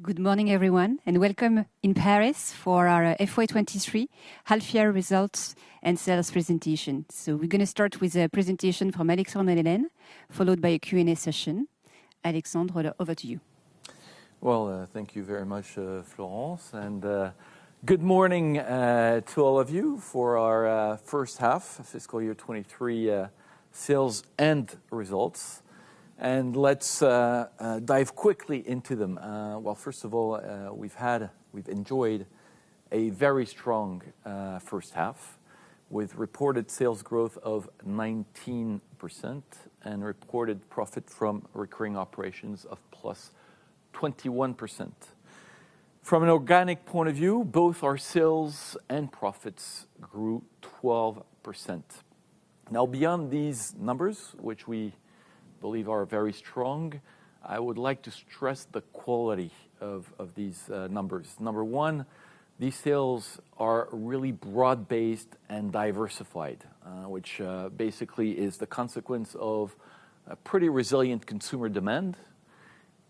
Good morning, everyone, and welcome in Paris for our FY 2023 half year results and sales presentation. We're gonna start with a presentation from Alexandre and Hélène, followed by a Q&A session. Alexandre, over to you. Well, thank you very much, Florence, and good morning to all of you for our first half fiscal year 2023 sales and results. Let's dive quickly into them. Well, first of all, we've enjoyed a very strong first half, with reported sales growth of 19% and reported profit from recurring operations of +21%. From an organic point of view, both our sales and profits grew 12%. Beyond these numbers, which we believe are very strong, I would like to stress the quality of these numbers. Number one, these sales are really broad-based and diversified, which basically is the consequence of a pretty resilient consumer demand,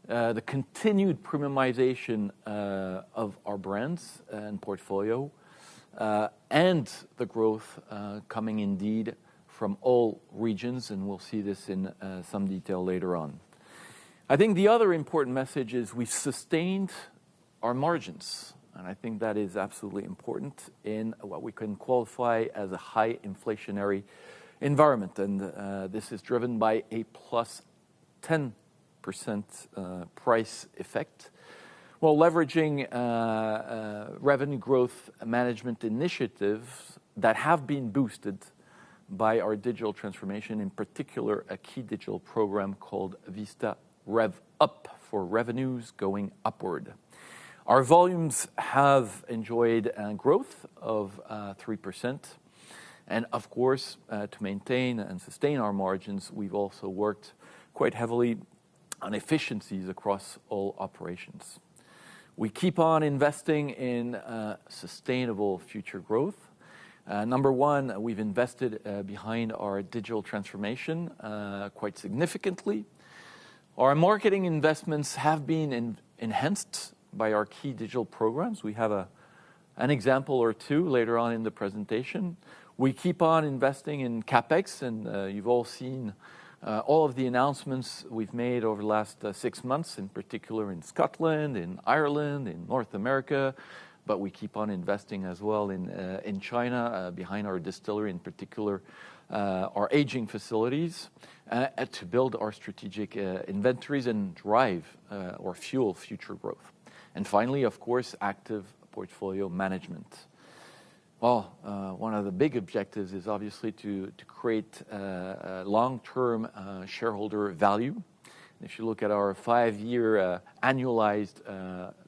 the continued premiumization of our brands and portfolio, and the growth coming indeed from all regions, and we'll see this in some detail later on. I think the other important message is we sustained our margins, and I think that is absolutely important in what we can qualify as a high inflationary environment. This is driven by a +10% price effect, while leveraging revenue growth management initiatives that have been boosted by our digital transformation, in particular, a key digital program called Vista Rev-Up, for revenues going upward. Our volumes have enjoyed an growth of 3%. Of course, to maintain and sustain our margins, we've also worked quite heavily on efficiencies across all operations. We keep on investing in sustainable future growth. Number one, we've invested behind our digital transformation quite significantly. Our marketing investments have been enhanced by our key digital programs. We have an example or two later on in the presentation. We keep on investing in CapEx, and you've all seen all of the announcements we've made over the last six months, in particular in Scotland, in Ireland, in North America. We keep on investing as well in China, behind our distillery, in particular, our aging facilities, to build our strategic inventories and drive or fuel future growth. Finally, of course, active portfolio management. One of the big objectives is obviously to create long-term shareholder value. If you look at our five year annualized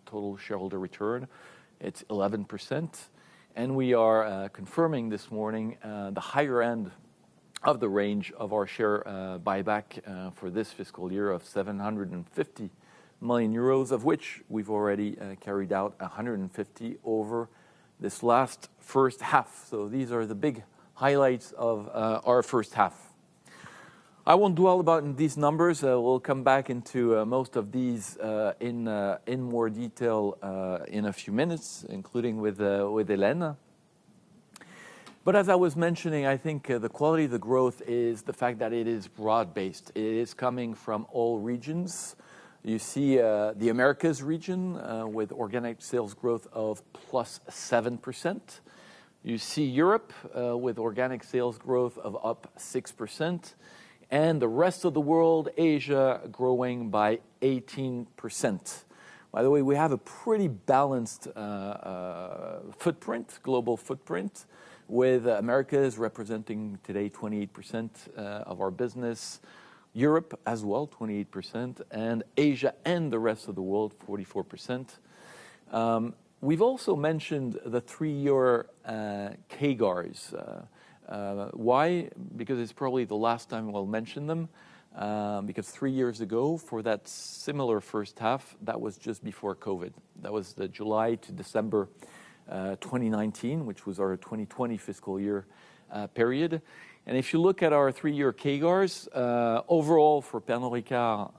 total shareholder return, it's 11%. We are confirming this morning the higher end of the range of our share buyback for this fiscal year of 750 million euros, of which we've already carried out 150 million over this last first half. These are the big highlights of our first half. I won't dwell about in these numbers. We'll come back into most of these in more detail in a few minutes, including with Hélène. As I was mentioning, I think the quality of the growth is the fact that it is broad-based. It is coming from all regions. You see the Americas region with organic sales growth of +7%. You see Europe with organic sales growth of up 6%. The rest of the world, Asia growing by 18%. By the way, we have a pretty balanced footprint, global footprint, with Americas representing today 28% of our business, Europe as well, 28%, and Asia and the rest of the world 44%. We've also mentioned the three-year CAGRs. Why? It's probably the last time we'll mention them. Three years ago, for that similar first half, that was just before COVID. That was the July to December 2019, which was our 2020 fiscal year period. If you look at our three year CAGRs overall for Pernod Ricard,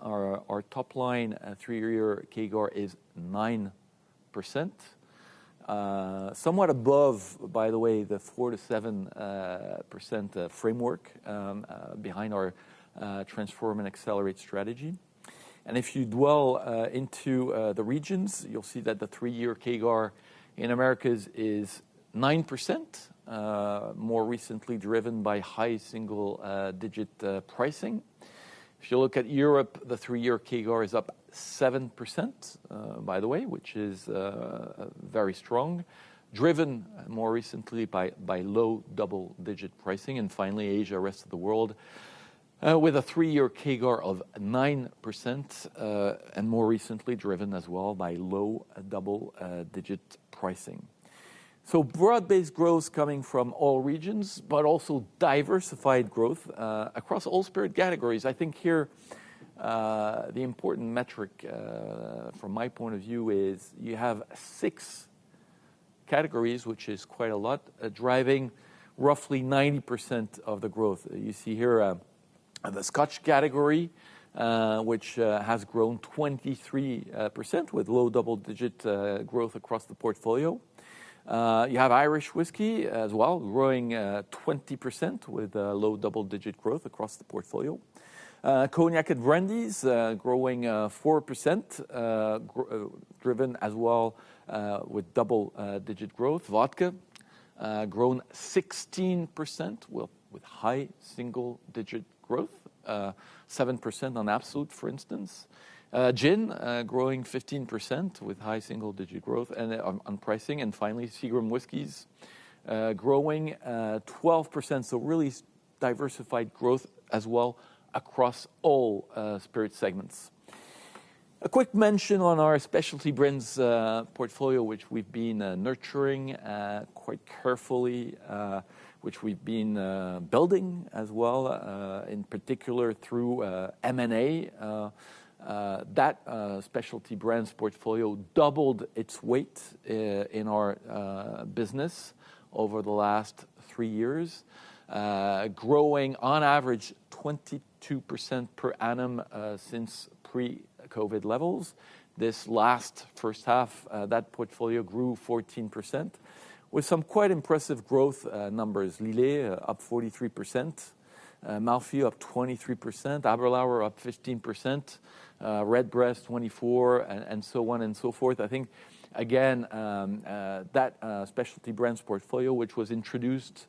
our top line three year CAGR is 9%. Somewhat above, by the way, the 4%-7% framework behind our Transform and Accelerate strategy. If you dwell into the regions, you'll see that the three year CAGR in Americas is 9%, more recently driven by high single-digit pricing. If you look at Europe, the three year CAGR is up 7%, by the way, which is very strong, driven more recently by low double-digit pricing. Finally, Asia, rest of the world, with a three year CAGR of 9%, and more recently driven as well by low double-digit pricing. Broad-based growth coming from all regions, but also diversified growth across all spirit categories. I think here, the important metric, from my point of view is you have six categories, which is quite a lot, are driving roughly 90% of the growth. You see here, the Scotch category, which has grown 23% with low double-digit growth across the portfolio. You have Irish whiskey as well, growing 20% with low double-digit growth across the portfolio. Cognac and brandies, growing 4%, driven as well with double-digit growth. Vodka, grown 16% with high single-digit growth, 7% on Absolut, for instance. Gin, growing 15% with high single-digit growth and on pricing. Finally, Seagram's Whiskeys, growing 12%. Really diversified growth as well across all spirit segments. A quick mention on our specialty brands portfolio, which we've been nurturing quite carefully, which we've been building as well, in particular through M&A. That specialty brands portfolio doubled its weight in our business over the last three years, growing on average 22% per annum since pre-COVID levels. This last first half, that portfolio grew 14% with some quite impressive growth numbers. Lillet up 43%, Malfy up 23%, Aberlour up 15%, Redbreast 24%, and so on and so forth. I think again, that specialty brands portfolio, which was introduced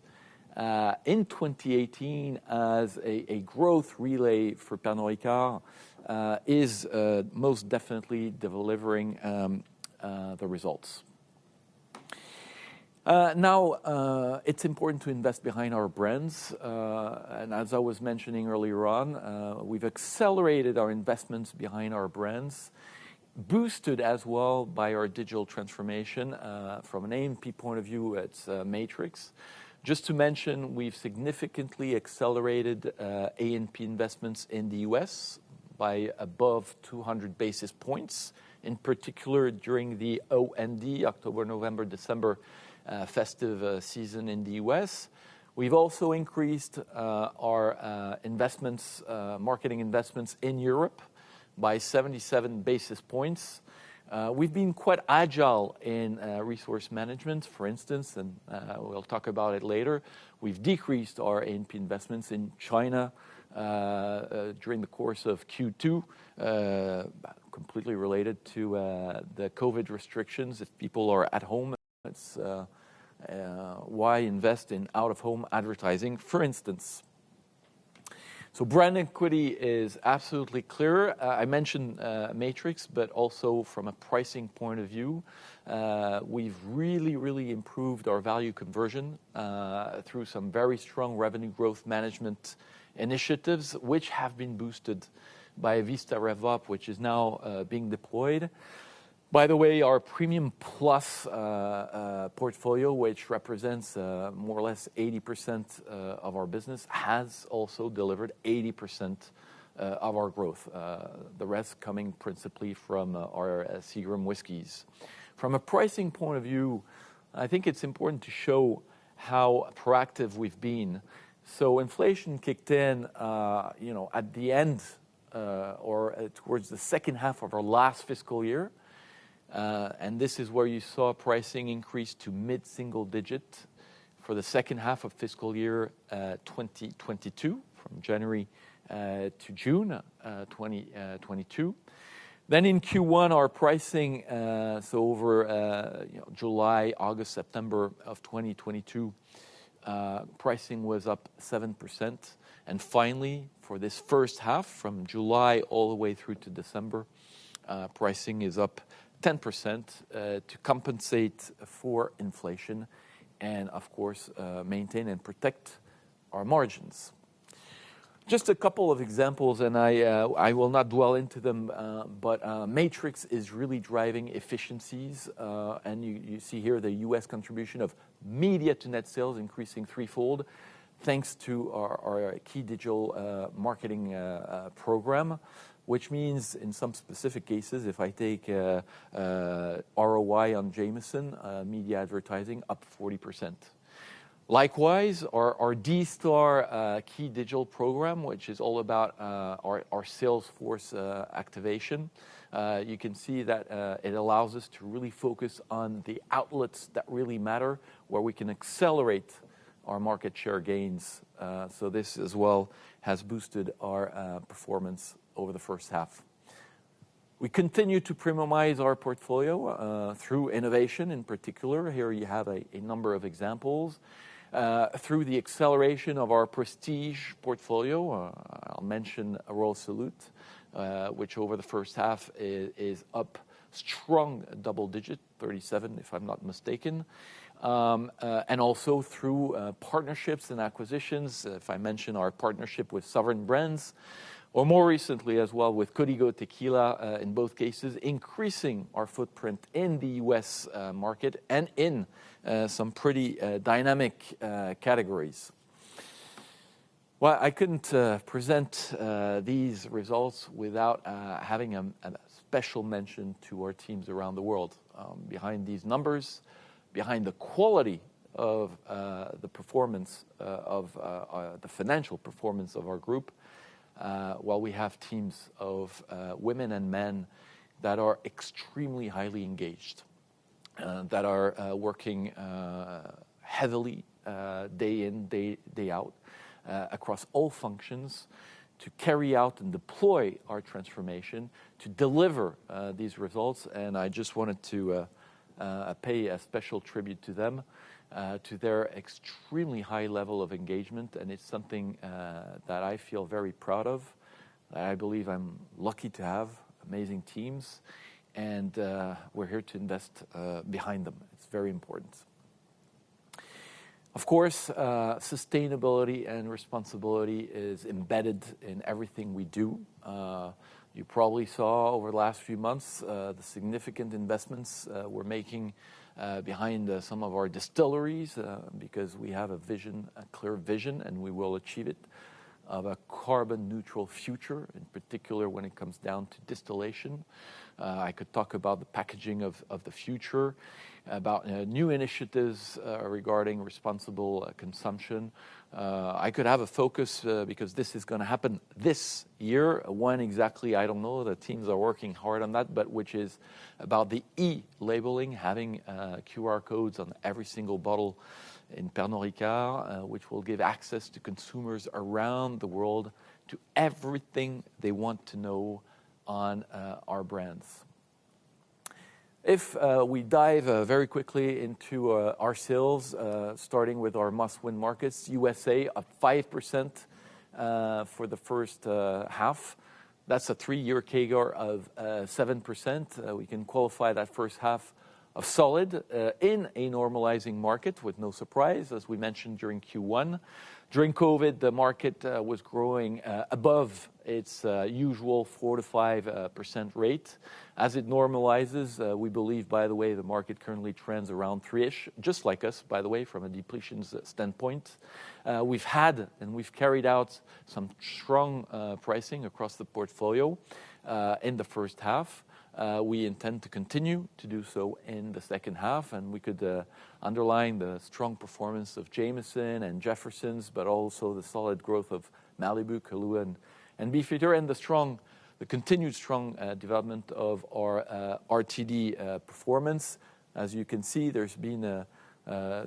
in 2018 as a growth relay for Pernod Ricard, is most definitely delivering the results. Now, it's important to invest behind our brands. Uh, and as I was mentioning earlier on, uh, we've accelerated our investments behind our brands, boosted as well by our digital transformation, uh, from an A&P point of view, it's, uh, matrix. Just to mention, we've significantly accelerated, uh, A&P investments in the U.S. by above two hundred basis points, in particular during the OND, October, November, December, uh, festive, uh, season in the U.S.. We've also increased, uh, our, uh, investments, uh, marketing investments in Europe by seventy-seven basis points. Uh, we've been quite agile in, uh, resource management, for instance, and, uh, we'll talk about it later. We've decreased our A&P investments in China, uh, uh, during the course of Q2, uh, completely related to, uh, the COVID restrictions. If people are at home, it's, uh, uh, why invest in out-of-home advertising, for instance. So brand equity is absolutely clear. I mentioned Matrix, but also from a pricing point of view, we've really improved our value conversion through some very strong revenue growth management initiatives, which have been boosted by Vista Rev-Up, which is now being deployed. By the way, our premium plus portfolio, which represents more or less 80% of our business, has also delivered 80% of our growth, the rest coming principally from our Seagram's Whiskeys. From a pricing point of view, I think it's important to show how proactive we've been. Inflation kicked in, you know, at the end, or towards the second half of our last fiscal year, and this is where you saw pricing increase to mid-single digit for the second half of fiscal year 2022, from January to June 2022. Then in Q1, our pricing, so over, you know, July, August, September of 2022, pricing was up 7%. Finally, for this first half, from July all the way through to December, pricing is up 10%, to compensate for inflation and of course, maintain and protect our margins. Just a couple of examples, and I will not dwell into them, but, Matrix is really driving efficiencies. You see here the U.S. contribution of media to net sales increasing threefold, thanks to our key digital marketing program. Which means in some specific cases, if I take ROI on Jameson media advertising up 40%. Likewise, our D-STAR key digital program, which is all about our sales force activation. You can see that it allows us to really focus on the outlets that really matter, where we can accelerate our market share gains. This as well has boosted our performance over the first half. We continue to premiumize our portfolio through innovation in particular. Here you have a number of examples. Through the acceleration of our prestige portfolio, I'll mention Royal Salute, which over the first half is up strong double digit, 37, if I'm not mistaken. And also through partnerships and acquisitions. If I mention our partnership with Sovereign Brands or more recently as well with Código Tequila, in both cases, increasing our footprint in the U.S. market and in some pretty dynamic categories. Well, I couldn't present these results without having a special mention to our teams around the world. Behind these numbers, behind the quality of the performance of the financial performance of our group, while we have teams of women and men that are extremely highly engaged, that are working heavily day in, day out, across all functions to carry out and deploy our transformation to deliver these results. I just wanted to pay a special tribute to them, to their extremely high level of engagement, and it's something that I feel very proud of. I believe I'm lucky to have amazing teams, and we're here to invest behind them. It's very important. Of course, sustainability and responsibility is embedded in everything we do. You probably saw over the last few months, the significant investments we're making behind some of our distilleries because we have a vision, a clear vision, and we will achieve it, of a carbon neutral future, in particular, when it comes down to distillation. I could talk about the packaging of the future, about new initiatives regarding responsible consumption. I could have a focus because this is gonna happen this year. When exactly, I don't know. The teams are working hard on that, but which is about the e-labeling, having QR codes on every single bottle in Pernod Ricard, which will give access to consumers around the world to everything they want to know on our brands. If we dive very quickly into our sales, starting with our must-win markets, U.S.A up 5% for the first half. That's a three year CAGR of 7%. We can qualify that first half of solid in a normalizing market with no surprise, as we mentioned during Q1. During COVID, the market was growing above its usual 4%-5% rate. As it normalizes, we believe, by the way, the market currently trends around 3-ish, just like us, by the way, from a depletions standpoint. We've had and we've carried out some strong pricing across the portfolio in the first half. We intend to continue to do so in the second half. We could underline the strong performance of Jameson and Jefferson's, but also the solid growth of Malibu, Kahlúa and Beefeater and the continued strong development of our RTD performance. As you can see, there's been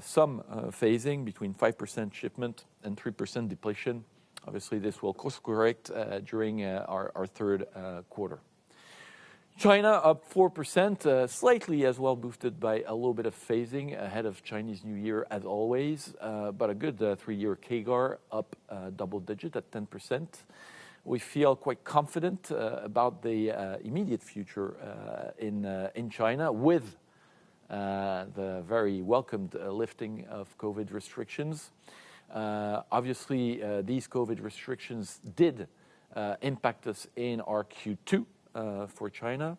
some phasing between 5% shipment and 3% depletion. Obviously, this will course correct during our third quarter. China up 4%, slightly as well boosted by a little bit of phasing ahead of Chinese New Year as always. A good three year CAGR up double-digit at 10%. We feel quite confident about the immediate future in China with the very welcomed lifting of COVID restrictions. Obviously, these COVID restrictions did impact us in our Q2 for China.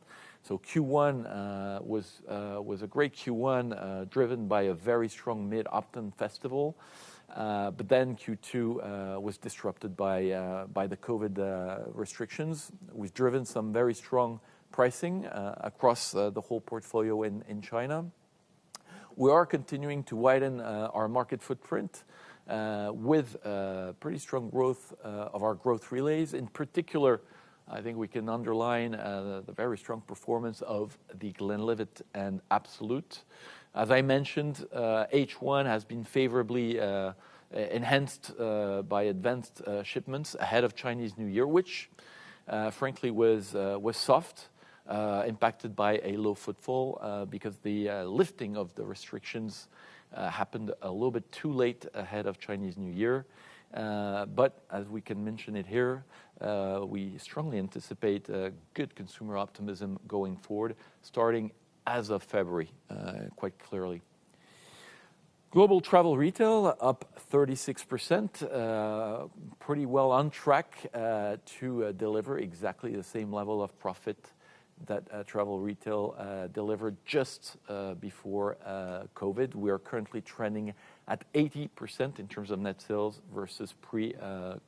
Q1 was a great Q1 driven by a very strong Mid-Autumn Festival. Q2 was disrupted by the COVID restrictions. We've driven some very strong pricing across the whole portfolio in China. We are continuing to widen our market footprint with pretty strong growth of our growth relays. In particular, I think we can underline the very strong performance of The Glenlivet and Absolut. As I mentioned, H1 has been favorably enhanced by advanced shipments ahead of Chinese New Year, which frankly was soft impacted by a low footfall because the lifting of the restrictions happened a little bit too late ahead of Chinese New Year. As we can mention it here, we strongly anticipate a good consumer optimism going forward, starting as of February, quite clearly. Global travel retail up 36%. Pretty well on track to deliver exactly the same level of profit that travel retail delivered just before COVID. We are currently trending at 80% in terms of net sales versus pre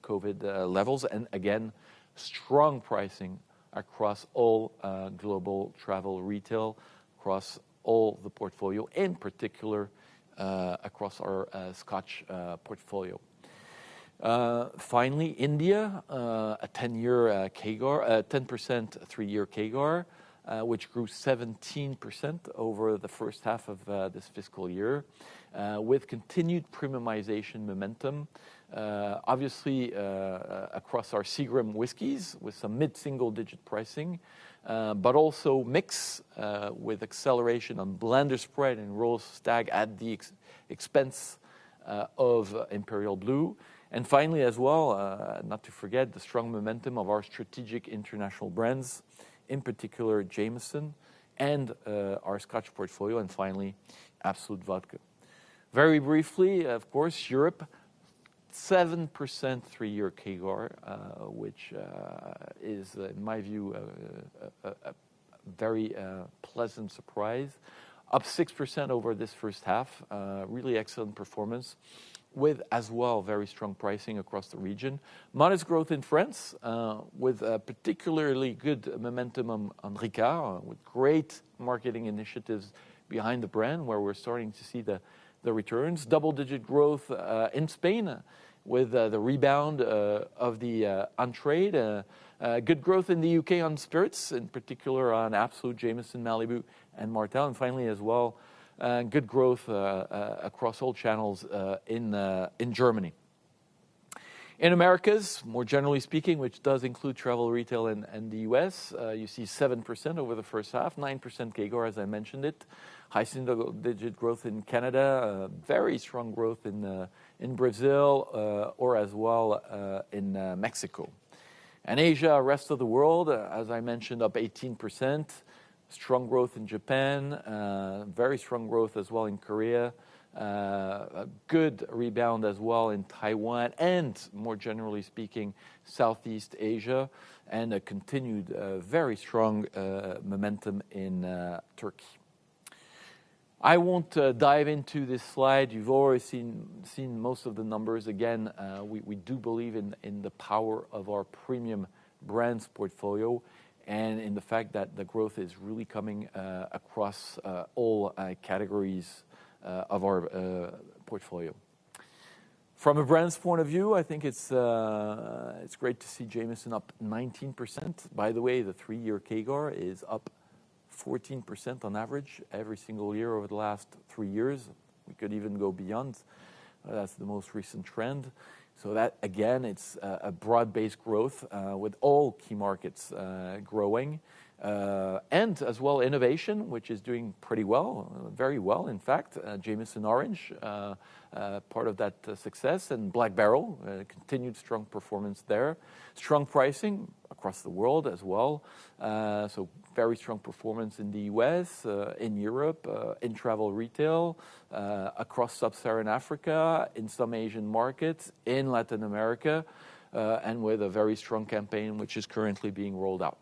COVID levels. Again, strong pricing across all global travel retail, across all the portfolio, in particular, across our Scotch portfolio. Finally, India, a 10-year CAGR, 10% 3-year CAGR, which grew 17% over the first half of this fiscal year, with continued premiumization momentum, obviously, across our Seagram's Whiskeys with some mid-single digit pricing, but also mix, with acceleration on Blender's Pride and Royal Stag at the expense of Imperial Blue. Finally, as well, not to forget the strong momentum of our strategic international brands, in particular Jameson and our Scotch portfolio, and finally, Absolut Vodka. Very briefly, of course, Europe. 7% 3-year CAGR, which is, in my view, a very pleasant surprise. Up 6% over this first half. Really excellent performance with, as well, very strong pricing across the region. Modest growth in France, with a particularly good momentum on Ricard, with great marketing initiatives behind the brand, where we're starting to see the returns. Double-digit growth in Spain with the rebound of the on-trade. Good growth in the UK on spirits, in particular on Absolut, Jameson, Malibu and Martell. Finally, as well, good growth across all channels in Germany. In Americas, more generally speaking, which does include travel retail in the U.S., you see 7% over the first half, 9% CAGR, as I mentioned it. High single digit growth in Canada. Very strong growth in Brazil, or as well, in Mexico. Asia, rest of the world, as I mentioned, up 18%. Strong growth in Japan. Very strong growth as well in Korea. A good rebound as well in Taiwan and, more generally speaking, Southeast Asia, and a continued, very strong momentum in Turkey. I won't dive into this slide. You've already seen most of the numbers. Again, we do believe in the power of our premium brands portfolio and in the fact that the growth is really coming across all categories of our portfolio. From a brands point of view, I think it's great to see Jameson up 19%. By the way, the three year CAGR is up 14% on average every single year over the last three years. We could even go beyond. That's the most recent trend. That, again, it's a broad-based growth with all key markets growing. As well, innovation, which is doing pretty well, very well, in fact. Jameson Orange part of that success. Black Barrel continued strong performance there. Strong pricing across the world as well. Very strong performance in the U.S., in Europe, in travel retail, across Sub-Saharan Africa, in some Asian markets, in Latin America, and with a very strong campaign which is currently being rolled out.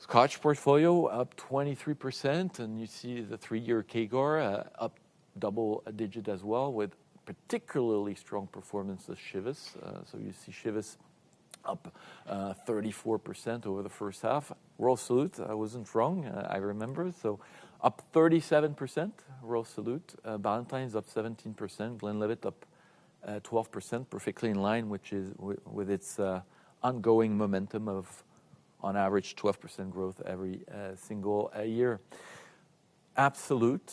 Scotch portfolio up 23%. You see the three-year CAGR up double digit as well, with particularly strong performance of Chivas. You see Chivas up 34% over the first half. Royal Salute, I wasn't wrong, I remember, up 37%, Royal Salute. Ballantine's up 17%. Glenlivet up 12%, perfectly in line, which is with its ongoing momentum of on average 12% growth every single year. Absolut,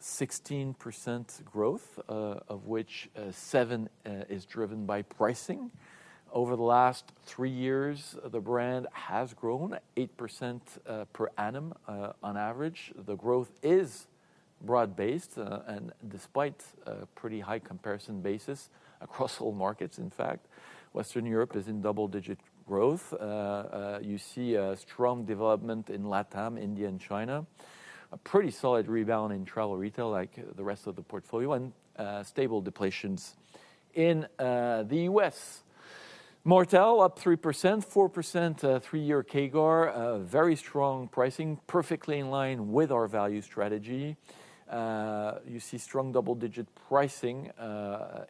16% growth, of which seven is driven by pricing. Over the last three years, the brand has grown 8% per annum on average. The growth is broad-based, despite a pretty high comparison basis across all markets. In fact, Western Europe is in double-digit growth. You see a strong development in LatAm, India and China. A pretty solid rebound in travel retail like the rest of the portfolio, and stable depletions in the U.S. Martell up 3%, 4%, 3-year CAGR. Very strong pricing, perfectly in line with our value strategy. You see strong double-digit pricing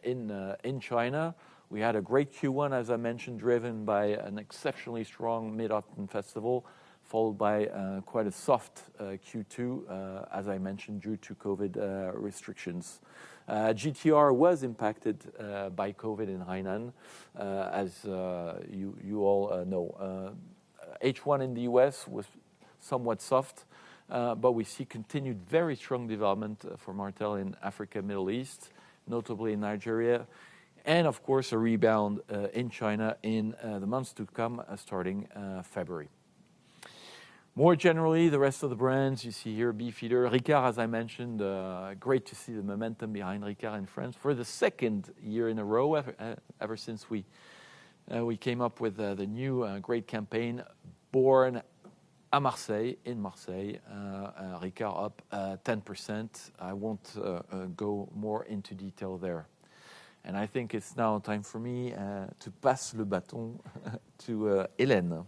in China. We had a great Q1, as I mentioned, driven by an exceptionally strong Mid-Autumn Festival, followed by quite a soft Q2, as I mentioned, due to COVID restrictions. GTR was impacted by COVID in Hǎinán, as you all know. H1 in the U.S. was somewhat soft, but we see continued very strong development for Martell in Africa, Middle East, notably in Nigeria, and of course a rebound in China in the months to come, starting February. More generally, the rest of the brands you see here, Beefeater. Ricard, as I mentioned, great to see the momentum behind Ricard in France for the second year in a row. Ever since we came up with the new great campaign, Born à Marseille, in Marseille. Ricard up 10%. I won't go more into detail there. I think it's now time for me to pass le baton to Hélène.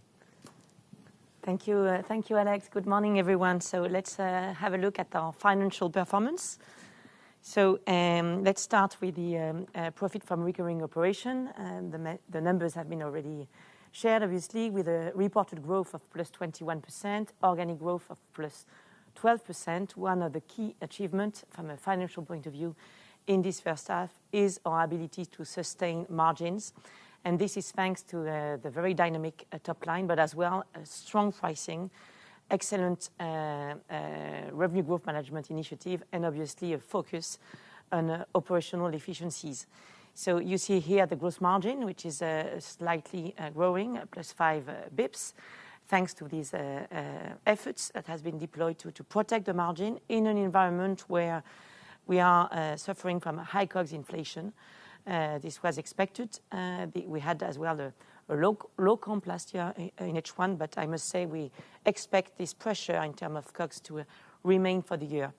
Thank you. Thank you, Alex. Good morning, everyone. Let's have a look at our financial performance. Let's start with the profit from recurring operation. The numbers have been already shared, obviously, with a reported growth of +21%, organic growth of +12%. One of the key achievement from a financial point of view in this first half is our ability to sustain margins, and this is thanks to the very dynamic top line, but as well, a strong pricing, excellent revenue growth management initiative, and obviously a focus on operational efficiencies. You see here the gross margin, which is slightly growing, +5 bips, thanks to these efforts that has been deployed to protect the margin in an environment where we are suffering from a high COGS inflation. This was expected. We had as well a low comp last year in H1, but I must say we expect this pressure in term of COGS to remain for the year.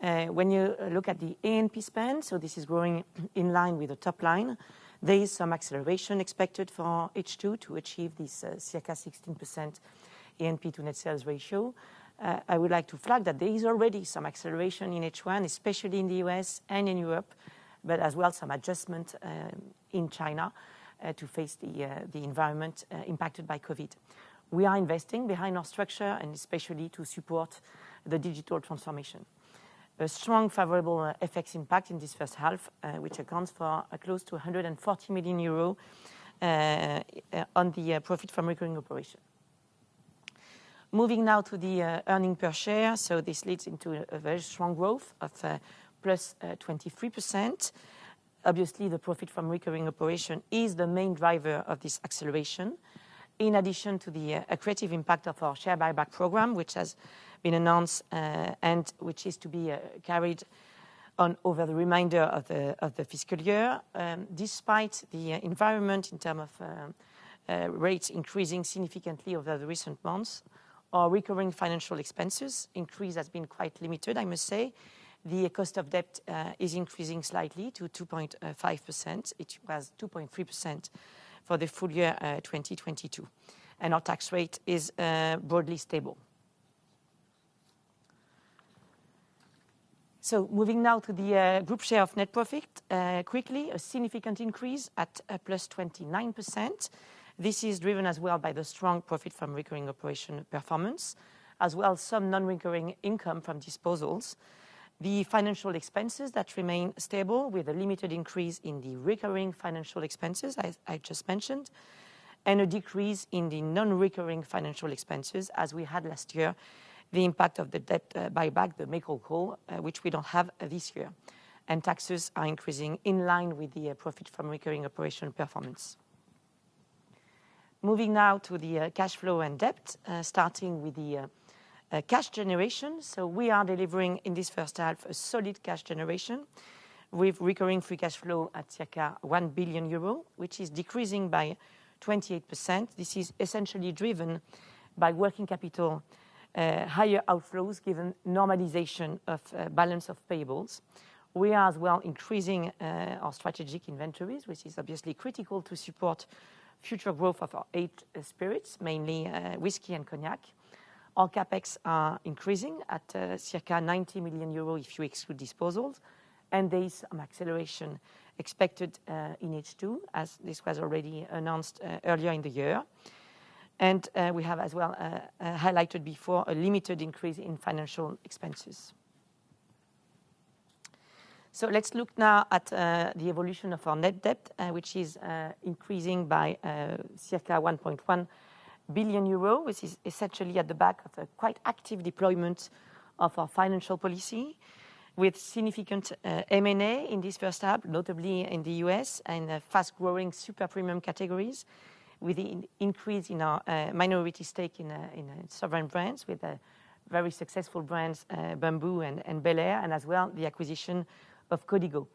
When you look at the A&P spend, so this is growing in line with the top line. There is some acceleration expected for H2 to achieve this circa 16% A&P to net sales ratio. I would like to flag that there is already some acceleration in H1, especially in the U.S. and in Europe, as well as some adjustment in China to face the environment impacted by COVID. We are investing behind our structure and especially to support the digital transformation. The strong favorable effects impact in this first half, which accounts for close to 140 million euro on the profit from recurring operation. Moving now to the earnings per share. This leads into a very strong growth of +23%. Obviously, the profit from recurring operation is the main driver of this acceleration. In addition to the accretive impact of our share buyback program, which has been announced, and which is to be carried on over the remainder of the fiscal year. Despite the environment in terms of rates increasing significantly over the recent months, our recurring financial expenses increase has been quite limited, I must say. The cost of debt is increasing slightly to 2.5%. It was 2.3% for the full year 2022. Our tax rate is broadly stable. Moving now to the group share of net profit. Quickly, a significant increase at +29%. This is driven as well by the strong profit from recurring operation performance, as well as some non-recurring income from disposals. The financial expenses that remain stable with a limited increase in the recurring financial expenses, as I just mentioned, and a decrease in the non-recurring financial expenses as we had last year, the impact of the debt buyback, the make-whole call, which we don't have this year. Taxes are increasing in line with the profit from recurring operation performance. Moving now to the cash flow and debt, starting with the cash generation. We are delivering in this first half a solid cash generation with recurring free cash flow at circa 1 billion euro, which is decreasing by 28%. This is essentially driven by working capital, higher outflows given normalization of balance of payables. We are as well increasing our strategic inventories, which is obviously critical to support future growth of our eight spirits, mainly whiskey and cognac. Our CapEx are increasing at circa 90 million euros if you exclude disposals, and there is some acceleration expected in H2, as this was already announced earlier in the year. We have as well highlighted before a limited increase in financial expenses. Let's look now at the evolution of our net debt, which is increasing by circa 1.1 billion euro, which is essentially at the back of a quite active deployment of our financial policy with significant M&A in this first half, notably in the U.S. and fast-growing super premium categories with the increase in our minority stake in Sovereign Brands with very successful brands, Bumbu and Luc Belaire, and as well the acquisition of Código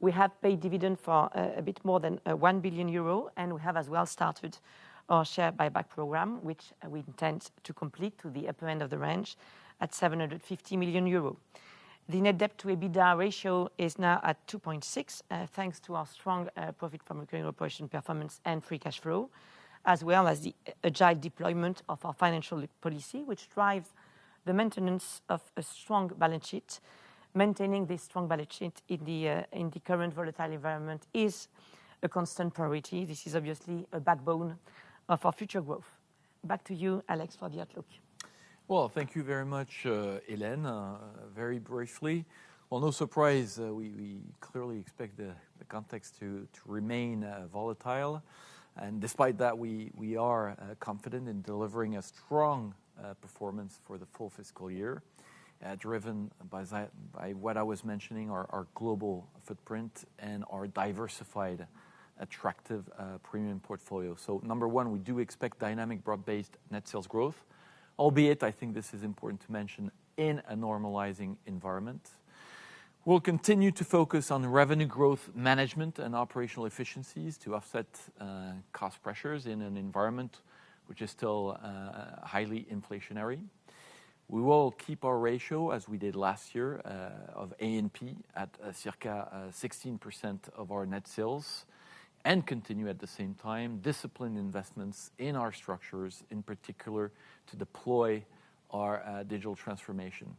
1530. We have paid dividend for a bit more than 1 billion euro, and we have as well started our share buyback program, which we intend to complete to the upper end of the range at 750 million euro. The net debt to EBITDA ratio is now at 2.6, thanks to our strong profit from recurring operation performance and free cash flow, as well as the agile deployment of our financial policy, which drives the maintenance of a strong balance sheet. Maintaining this strong balance sheet in the current volatile environment is a constant priority. This is obviously a backbone of our future growth. Back to you, Alex, for the outlook. Thank you very much, Hélène. Very briefly. No surprise, we clearly expect the context to remain volatile. Despite that, we are confident in delivering a strong performance for the full fiscal year, driven by what I was mentioning, our global footprint and our diversified, attractive, premium portfolio. Number one, we do expect dynamic broad-based net sales growth, albeit I think this is important to mention, in a normalizing environment. We'll continue to focus on revenue growth management and operational efficiencies to offset cost pressures in an environment which is still highly inflationary. We will keep our ratio, as we did last year, of A&P at circa 16% of our net sales and continue at the same time discipline investments in our structures, in particular to deploy our digital transformation.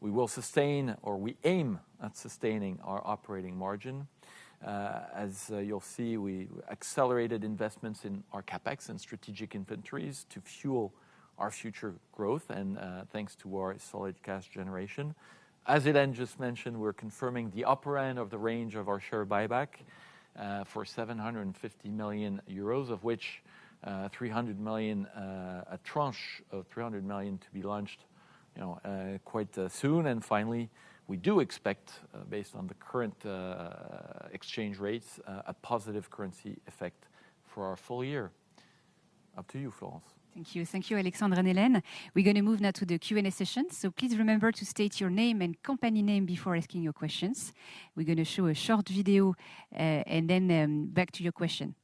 We will sustain or we aim at sustaining our operating margin. As you'll see, we accelerated investments in our CapEx and strategic inventories to fuel our future growth and thanks to our solid cash generation. As Hélène just mentioned, we're confirming the upper end of the range of our share buyback for 750 million euros of which 300 million, a tranche of 300 million to be launched, you know, quite soon. Finally, we do expect, based on the current exchange rates, a positive currency effect for our full year. Up to you, Florence. Thank you. Thank you, Alexandre and Hélène. We're gonna move now to the Q&A session. Please remember to state your name and company name before asking your questions. We're gonna show a short video, and then, back to your question.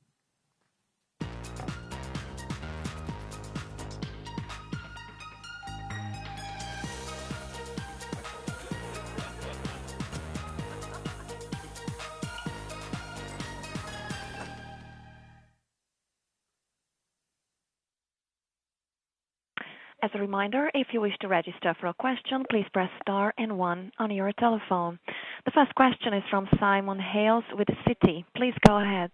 As a reminder, if you wish to register for a question, please press star and one on your telephone. The first question is from Simon Hales with Citi. Please go ahead.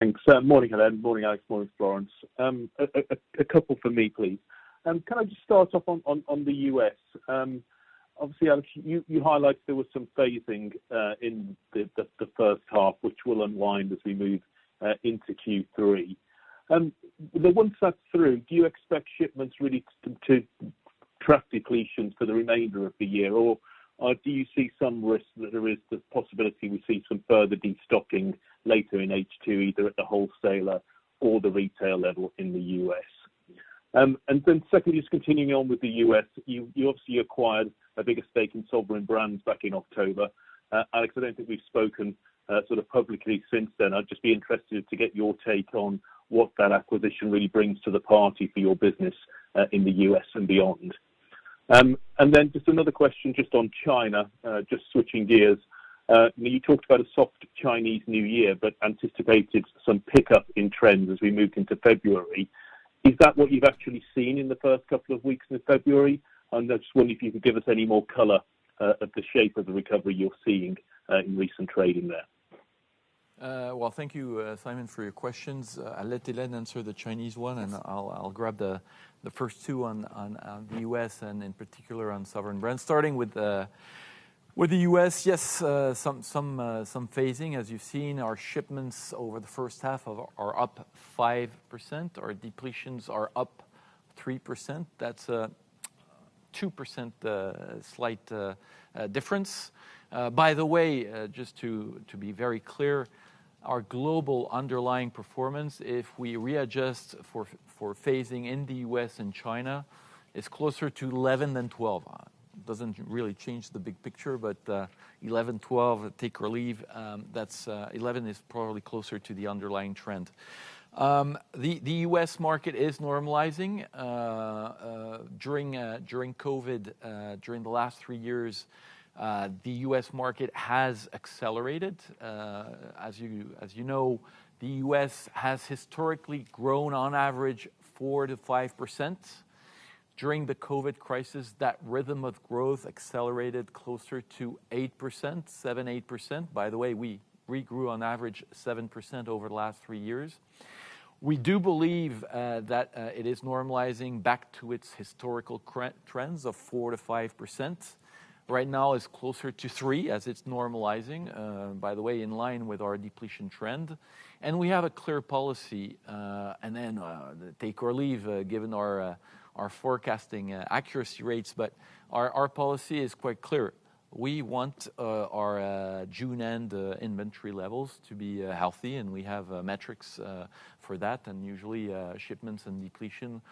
Thanks. Morning, Hélène. Morning, Alex. Morning, Florence. A couple for me, please. Can I just start off on the U.S.? Obviously, Alex, you highlighted there was some phasing in the first half, which will unwind as we move into Q3. Once that's through, do you expect shipments really to trap depletions for the remainder of the year? Do you see some risk that there is the possibility we see some further destocking later in H2, either at the wholesaler or the retail level in the U.S.? Secondly, just continuing on with the U.S., you obviously acquired a bigger stake in Sovereign Brands back in October. Alex, I don't think we've spoken sort of publicly since then. I'd just be interested to get your take on what that acquisition really brings to the party for your business, in the U.S. and beyond. Just another question just on China, just switching gears. When you talked about a soft Chinese New Year, but anticipated some pickup in trends as we moved into February, is that what you've actually seen in the first couple of weeks in February? I just wonder if you could give us any more color, of the shape of the recovery you're seeing, in recent trading there. Thank you, Simon, for your questions. I'll let Hélène answer the Chinese one. Yes I'll grab the first two on the U.S., and in particular, on Sovereign Brands. Starting with the U.S., yes, some phasing. As you've seen, our shipments over the first half are up 5%. Our depletions are up 3%. That's a 2% slight difference. By the way, just to be very clear, our global underlying performance, if we readjust for phasing in the U.S. and China, is closer to 11 than 12. It doesn't really change the big picture, but 11, 12, take or leave, that's 11 is probably closer to the underlying trend. The U.S. market is normalizing. During COVID, during the last three years, the U.S. market has accelerated. As you know, the U.S. has historically grown on average 4%-5%. During the COVID crisis, that rhythm of growth accelerated closer to 8%, 7%, 8%. We regrew on average 7% over the last three years. We do believe that it is normalizing back to its historical trends of 4%-5%. Right now it's closer to 3% as it's normalizing, by the way, in line with our depletion trend. We have a clear policy, and then, take or leave, given our forecasting accuracy rates. Our policy is quite clear. We want our June-end inventory levels to be healthy, and we have metrics for that. Usually, shipments and depletion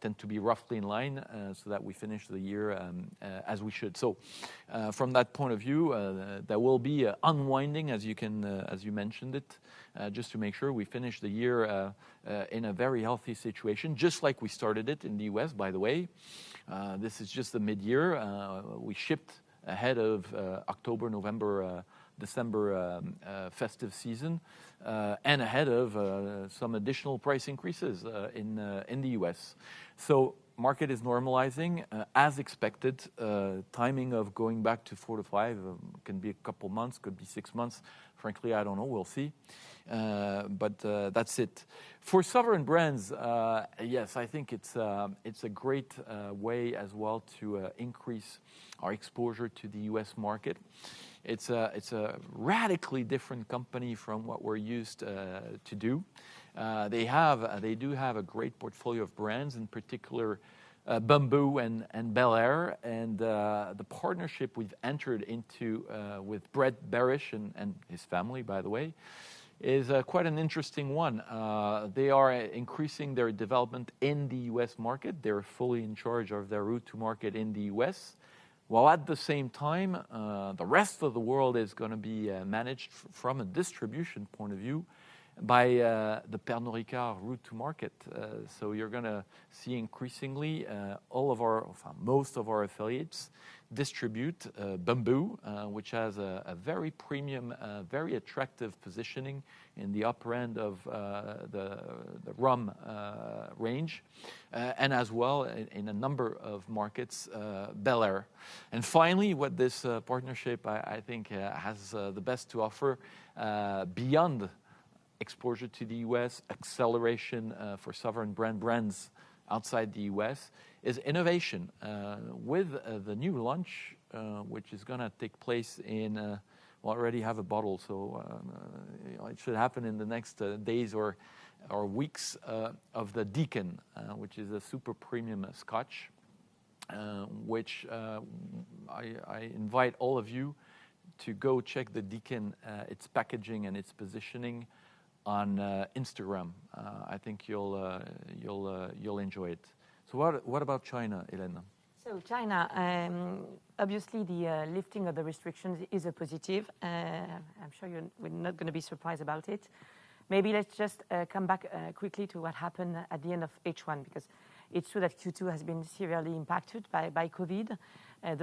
tend to be roughly in line, so that we finish the year as we should. From that point of view, there will be an unwinding as you can, as you mentioned it, just to make sure we finish the year in a very healthy situation, just like we started it in the U.S., by the way. This is just the midyear. We shipped ahead of October, November, December festive season, and ahead of some additional price increases in the U.S. Market is normalizing. As expected, timing of going back to 4%-5% can be two months, could be six months. Frankly, I don't know. We'll see. That's it. For Sovereign Brands, yes, I think it's a great way as well to increase our exposure to the U.S. market. It's a radically different company from what we're used to do. They do have a great portfolio of brands, in particular, Bumbu and Luc Belaire. The partnership we've entered into with Brett Berish and his family, by the way, is quite an interesting one. They are increasing their development in the U.S. market. They're fully in charge of their route to market in the U.S.. While at the same time, the rest of the world is gonna be managed from a distribution point of view by the Pernod Ricard route to market. You're gonna see increasingly most of our affiliates distribute Bumbu, which has a very premium, very attractive positioning in the upper end of the rum range, and as well in a number of markets, Luc Belaire. Finally, what this partnership I think has the best to offer, beyond exposure to the U.S., acceleration for Sovereign Brands brands outside the U.S., is innovation. With the new launch, which is gonna take place in... We already have a bottle, it should happen in the next days or weeks of The Deacon, which is a super premium Scotch, which I invite all of you to go check The Deacon, its packaging and its positioning on Instagram. I think you'll enjoy it. What, what about China, Hélène? China, obviously the lifting of the restrictions is a positive. I'm sure we're not gonna be surprised about it. Maybe let's just come back quickly to what happened at the end of H1, because it's true that Q2 has been severely impacted by COVID. The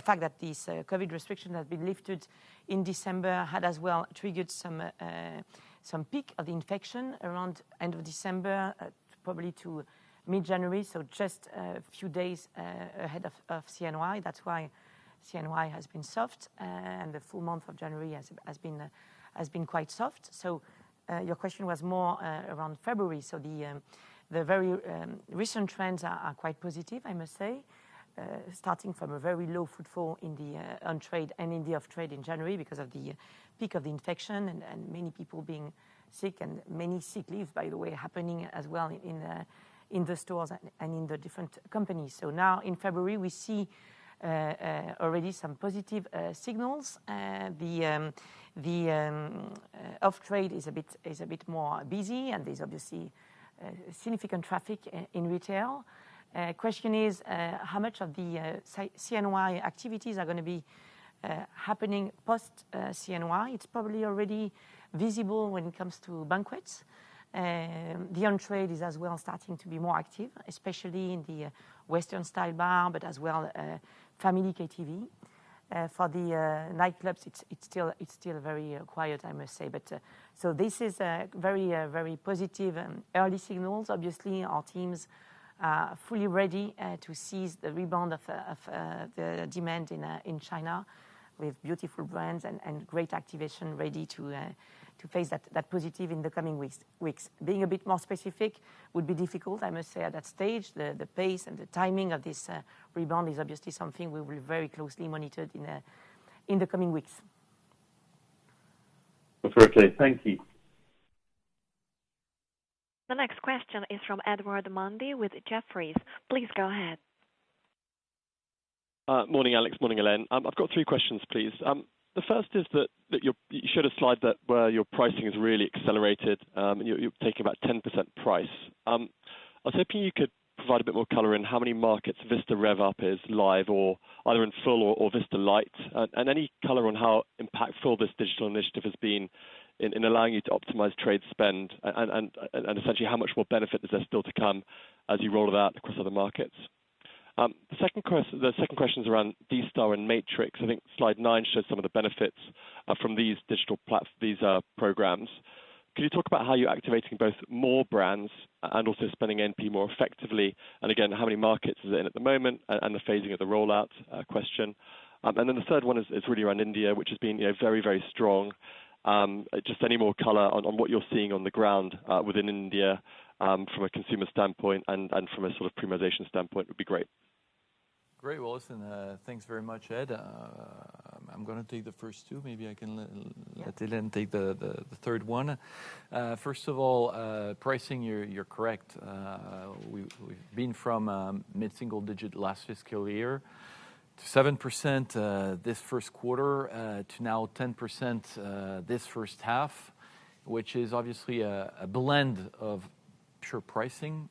fact that these COVID restrictions have been lifted in December had as well triggered some peak of infection around end of December, probably to mid-January. Just a few days ahead of CNY. That's why CNY has been soft. The full month of January has been quite soft. Your question was more around February. The very recent trends are quite positive, I must say. Starting from a very low footfall in the on trade and in the off trade in January because of the peak of the infection and many people being sick, and many sick leaves, by the way, happening as well in the stores and in the different companies. Now in February, we see already some positive signals. The off trade is a bit more busy and there's obviously significant traffic in retail. Question is how much of the CNY activities are gonna be happening post CNY. It's probably already visible when it comes to banquets. The on trade is as well starting to be more active, especially in the Western style bar, but as well, family KTV. For the nightclubs, it's still very quiet, I must say. This is very, very positive early signals. Obviously, our teams are fully ready to seize the rebound of the demand in China with beautiful brands and great activation ready to face that positive in the coming weeks. Being a bit more specific would be difficult, I must say, at that stage. The pace and the timing of this rebound is obviously something we will very closely monitored in the coming weeks. That's very clear. Thank you. The next question is from Edward Mundy with Jefferies. Please go ahead. Morning, Alex. Morning, Hélène. I've got three questions, please. The first is that you showed a slide that where your pricing has really accelerated, you're taking about 10% price. I was hoping you could provide a bit more color in how many markets Vista Rev-Up is live or either in full or Vista Lite. Any color on how impactful this digital initiative has been in allowing you to optimize trade spend and essentially how much more benefit is there still to come as you roll it out across other markets. The second question is around D-Star and Matrix. I think slide nine shows some of the benefits from these digital programs. Can you talk about how you're activating both more brands and also spending A&P more effectively? Again, how many markets is it in at the moment and the phasing of the rollout, question. Then the third one is really around India, which has been, you know, very strong. Just any more color on what you're seeing on the ground within India, from a consumer standpoint and from a sort of premiumization standpoint would be great. Great. Listen, thanks very much, Ed. I'm gonna take the first two. Maybe I can let Hélène take the third one. First of all, pricing, you're correct. We've been from mid-single digit last fiscal year to 7%, this first quarter, to now 10%, this first half, which is obviously a blend of pure pricing,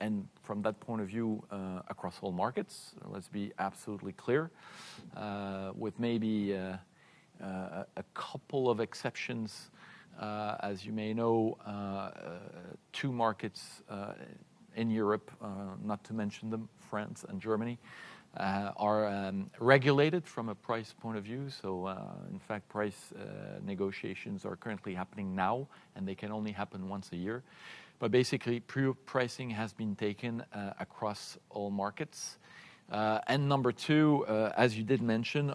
and from that point of view, across all markets. Let's be absolutely clear. With maybe a couple of exceptions, as you may know, two markets in Europe, not to mention them, France and Germany, are regulated from a price point of view. In fact, price negotiations are currently happening now, and they can only happen once a year. Basically, pre pricing has been taken across all markets. Number two, as you did mention,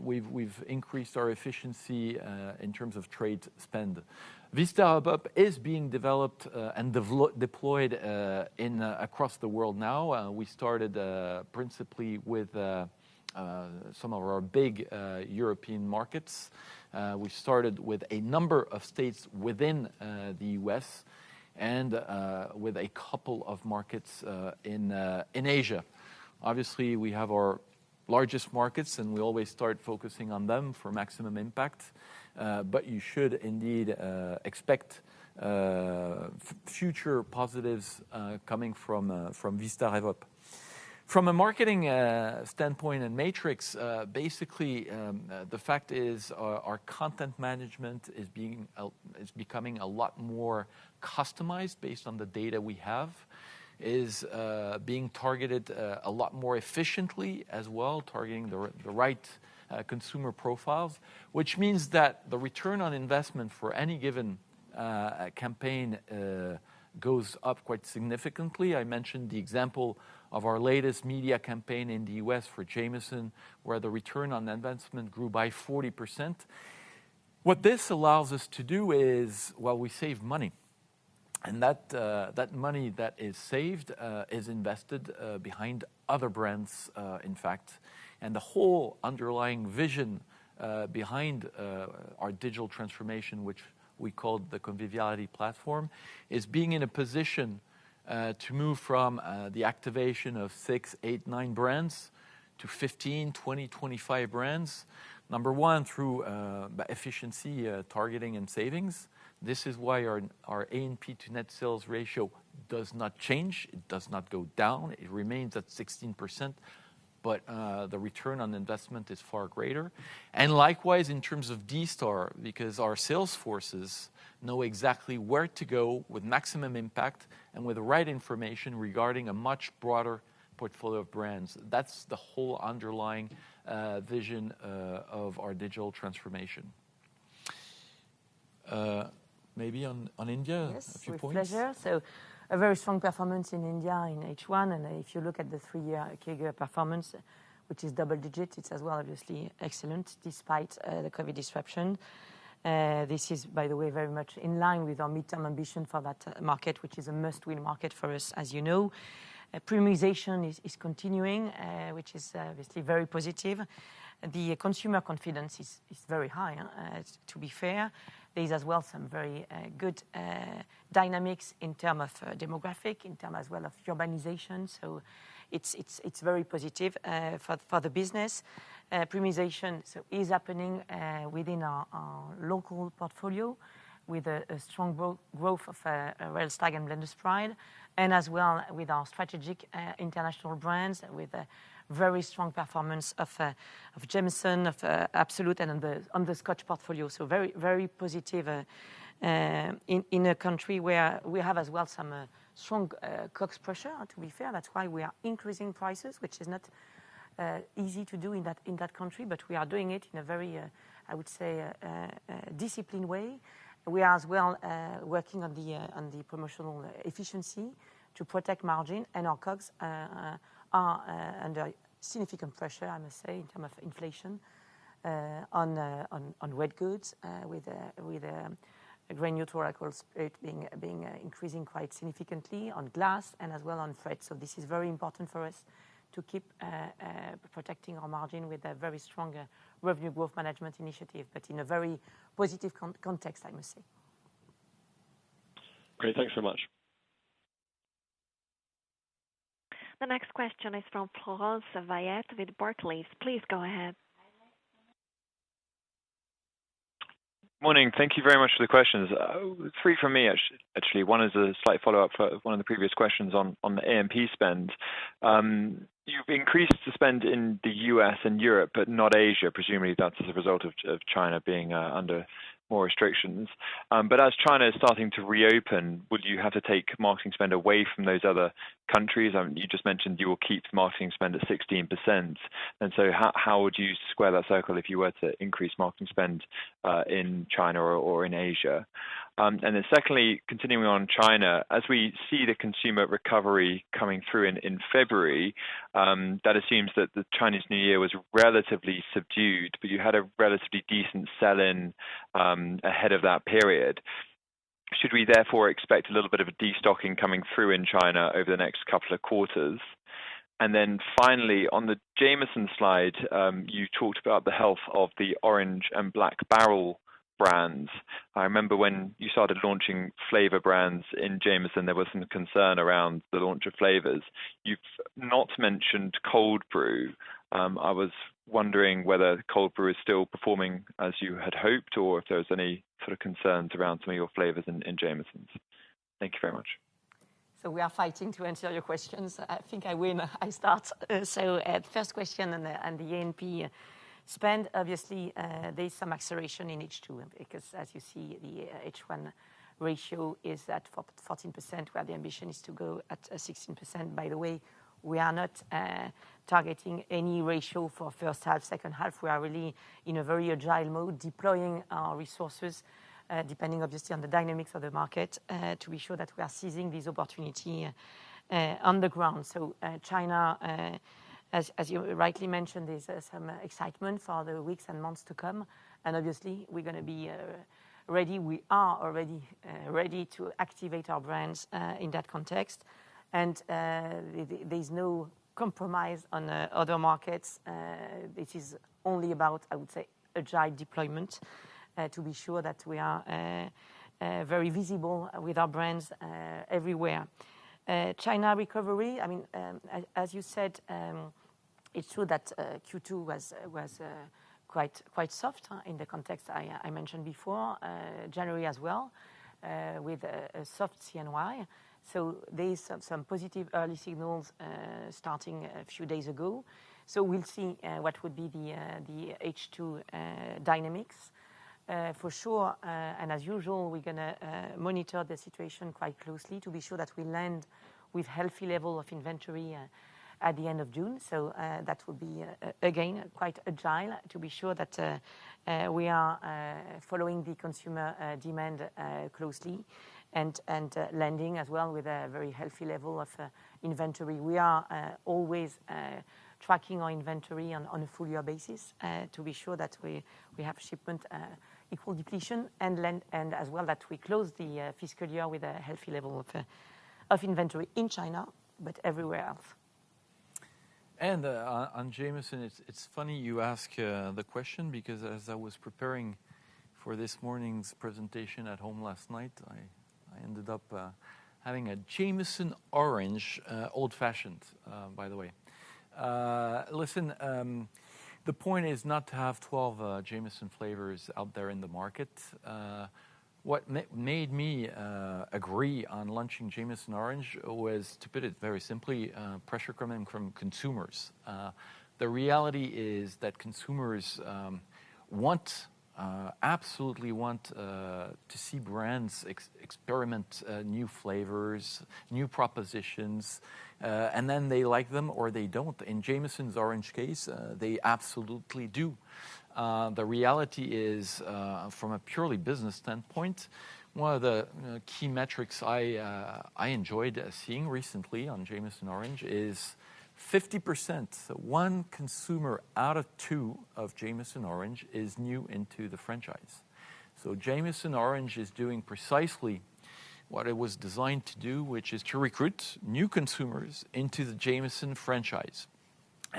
we've increased our efficiency in terms of trade spend. Vista Rev-Up is being developed and deployed across the world now. We started principally with some of our big European markets. We started with a number of states within the U.S. and with a couple of markets in Asia.Obviously, we have our largest markets, and we always start focusing on them for maximum impact. You should indeed expect future positives coming from Vista Rev-Up. From a marketing standpoint and Matrix, basically, the fact is our content management is becoming a lot more customized based on the data we have. Is being targeted a lot more efficiently as well, targeting the right consumer profiles. Which means that the return on investment for any given campaign goes up quite significantly. I mentioned the example of our latest media campaign in the U.S. for Jameson, where the return on investment grew by 40%. What this allows us to do is, well, we save money, and that money that is saved is invested behind other brands, in fact. The whole underlying vision behind our digital transformation, which we call The Conviviality Platform, is being in a position to move from the activation of 6, 8, 9 brands to 15, 20, 25 brands. Number one, through efficiency, targeting and savings. This is why our A&P to net sales ratio does not change. It does not go down. It remains at 16%. The return on investment is far greater. Likewise, in terms of D-STAR, because our sales forces know exactly where to go with maximum impact and with the right information regarding a much broader portfolio of brands. That's the whole underlying vision of our digital transformation. Maybe on India, a few points? Yes, with pleasure. A very strong performance in India in H1. If you look at the three year figure performance, which is double-digits, it's as well obviously excellent despite the COVID disruption. This is, by the way, very much in line with our mid-term ambition for that market, which is a must-win market for us, as you know. Premiumization is continuing, which is obviously very positive. The consumer confidence is very high. To be fair, there's as well some very good dynamics in terms of demographic, in terms as well of urbanization. It's very positive for the business. Premiumization is happening within our local portfolio with a strong growth of Royal Stag and Blender's Pride, and as well with our strategic international brands with a very strong performance of Jameson, of Absolut and on the Scotch portfolio. Very positive in a country where we have as well some strong COGS pressure to be fair. That's why we are increasing prices, which is not easy to do in that country. We are doing it in a very, I would say, disciplined way. We are as well, working on the promotional efficiency to protect margin and our COGS are under significant pressure, I must say, in terms of inflation, on wet goods, with a Grain Neutral Spirit being increasing quite significantly on glass and as well on freight. This is very important for us to keep protecting our margin with a very strong revenue growth management initiative, but in a very positive context, I must say. Great. Thank you so much. The next question is from Laurence Whyatt with Barclays. Please go ahead. Morning. Thank you very much for the questions. Three from me actually. One is a slight follow-up for one of the previous questions on the A&P spend. You've increased the spend in the U.S. and Europe, but not Asia. Presumably that's as a result of China being under more restrictions. As China is starting to reopen, would you have to take marketing spend away from those other countries? You just mentioned you will keep marketing spend at 16%. How would you square that circle if you were to increase marketing spend in China or in Asia? Secondly, continuing on China, as we see the consumer recovery coming through in February, that assumes that the Chinese New Year was relatively subdued, but you had a relatively decent sell-in ahead of that period. Should we therefore expect a little bit of a destocking coming through in China over the next couple of quarters? Finally, on the Jameson slide, you talked about the health of the orange and Black Barrel brands. I remember when you started launching flavor brands in Jameson, there was some concern around the launch of flavors. You've not mentioned Cold Brew. I was wondering whether Cold Brew is still performing as you had hoped, or if there was any sort of concerns around some of your flavors in Jameson. Thank you very much. We are fighting to answer your questions. I think I win. I start. First question on the, on the A&P spend, obviously, there's some acceleration in H2, because as you see, the H1 ratio is at 14%, where the ambition is to go at 16%. By the way, we are not targeting any ratio for first half, second half. We are really in a very agile mode, deploying our resources, depending obviously on the dynamics of the market, to be sure that we are seizing this opportunity, on the ground. China, as you rightly mentioned, there's some excitement for the weeks and months to come. Obviously we're gonna be ready. We are already ready to activate our brands in that context. There's no compromise on the other markets. It is only about, I would say, agile deployment, to be sure that we are very visible with our brands everywhere. China recovery, I mean, as you said, it's true that Q2 was quite soft in the context I mentioned before. January as well, with a soft CNY. There is some positive early signals, starting a few days ago. We'll see what would be the H2 dynamics. For sure, and as usual, we're gonna monitor the situation quite closely to be sure that we land with healthy level of inventory at the end of June. That will be again, quite agile to be sure that we are following the consumer demand closely and landing as well with a very healthy level of inventory. We are always tracking our inventory on a full year basis to be sure that we have shipment equal depletion and land, as well that we close the fiscal year with a healthy level of inventory in China, but everywhere else. On Jameson, it's funny you ask the question because as I was preparing for this morning's presentation at home last night, I ended up having a Jameson Orange old-fashioned, by the way. Listen, the point is not to have 12 Jameson flavors out there in the market. What made me agree on launching Jameson Orange was, to put it very simply, pressure coming from consumers. The reality is that consumers want, absolutely want, to see brands experiment new flavors, new propositions, and then they like them or they don't. In Jameson Orange case, they absolutely do. The reality is, from a purely business standpoint, one of the key metrics I enjoyed seeing recently on Jameson Orange is 50%. One consumer out of two of Jameson Orange is new into the franchise. Jameson Orange is doing precisely what it was designed to do, which is to recruit new consumers into the Jameson franchise.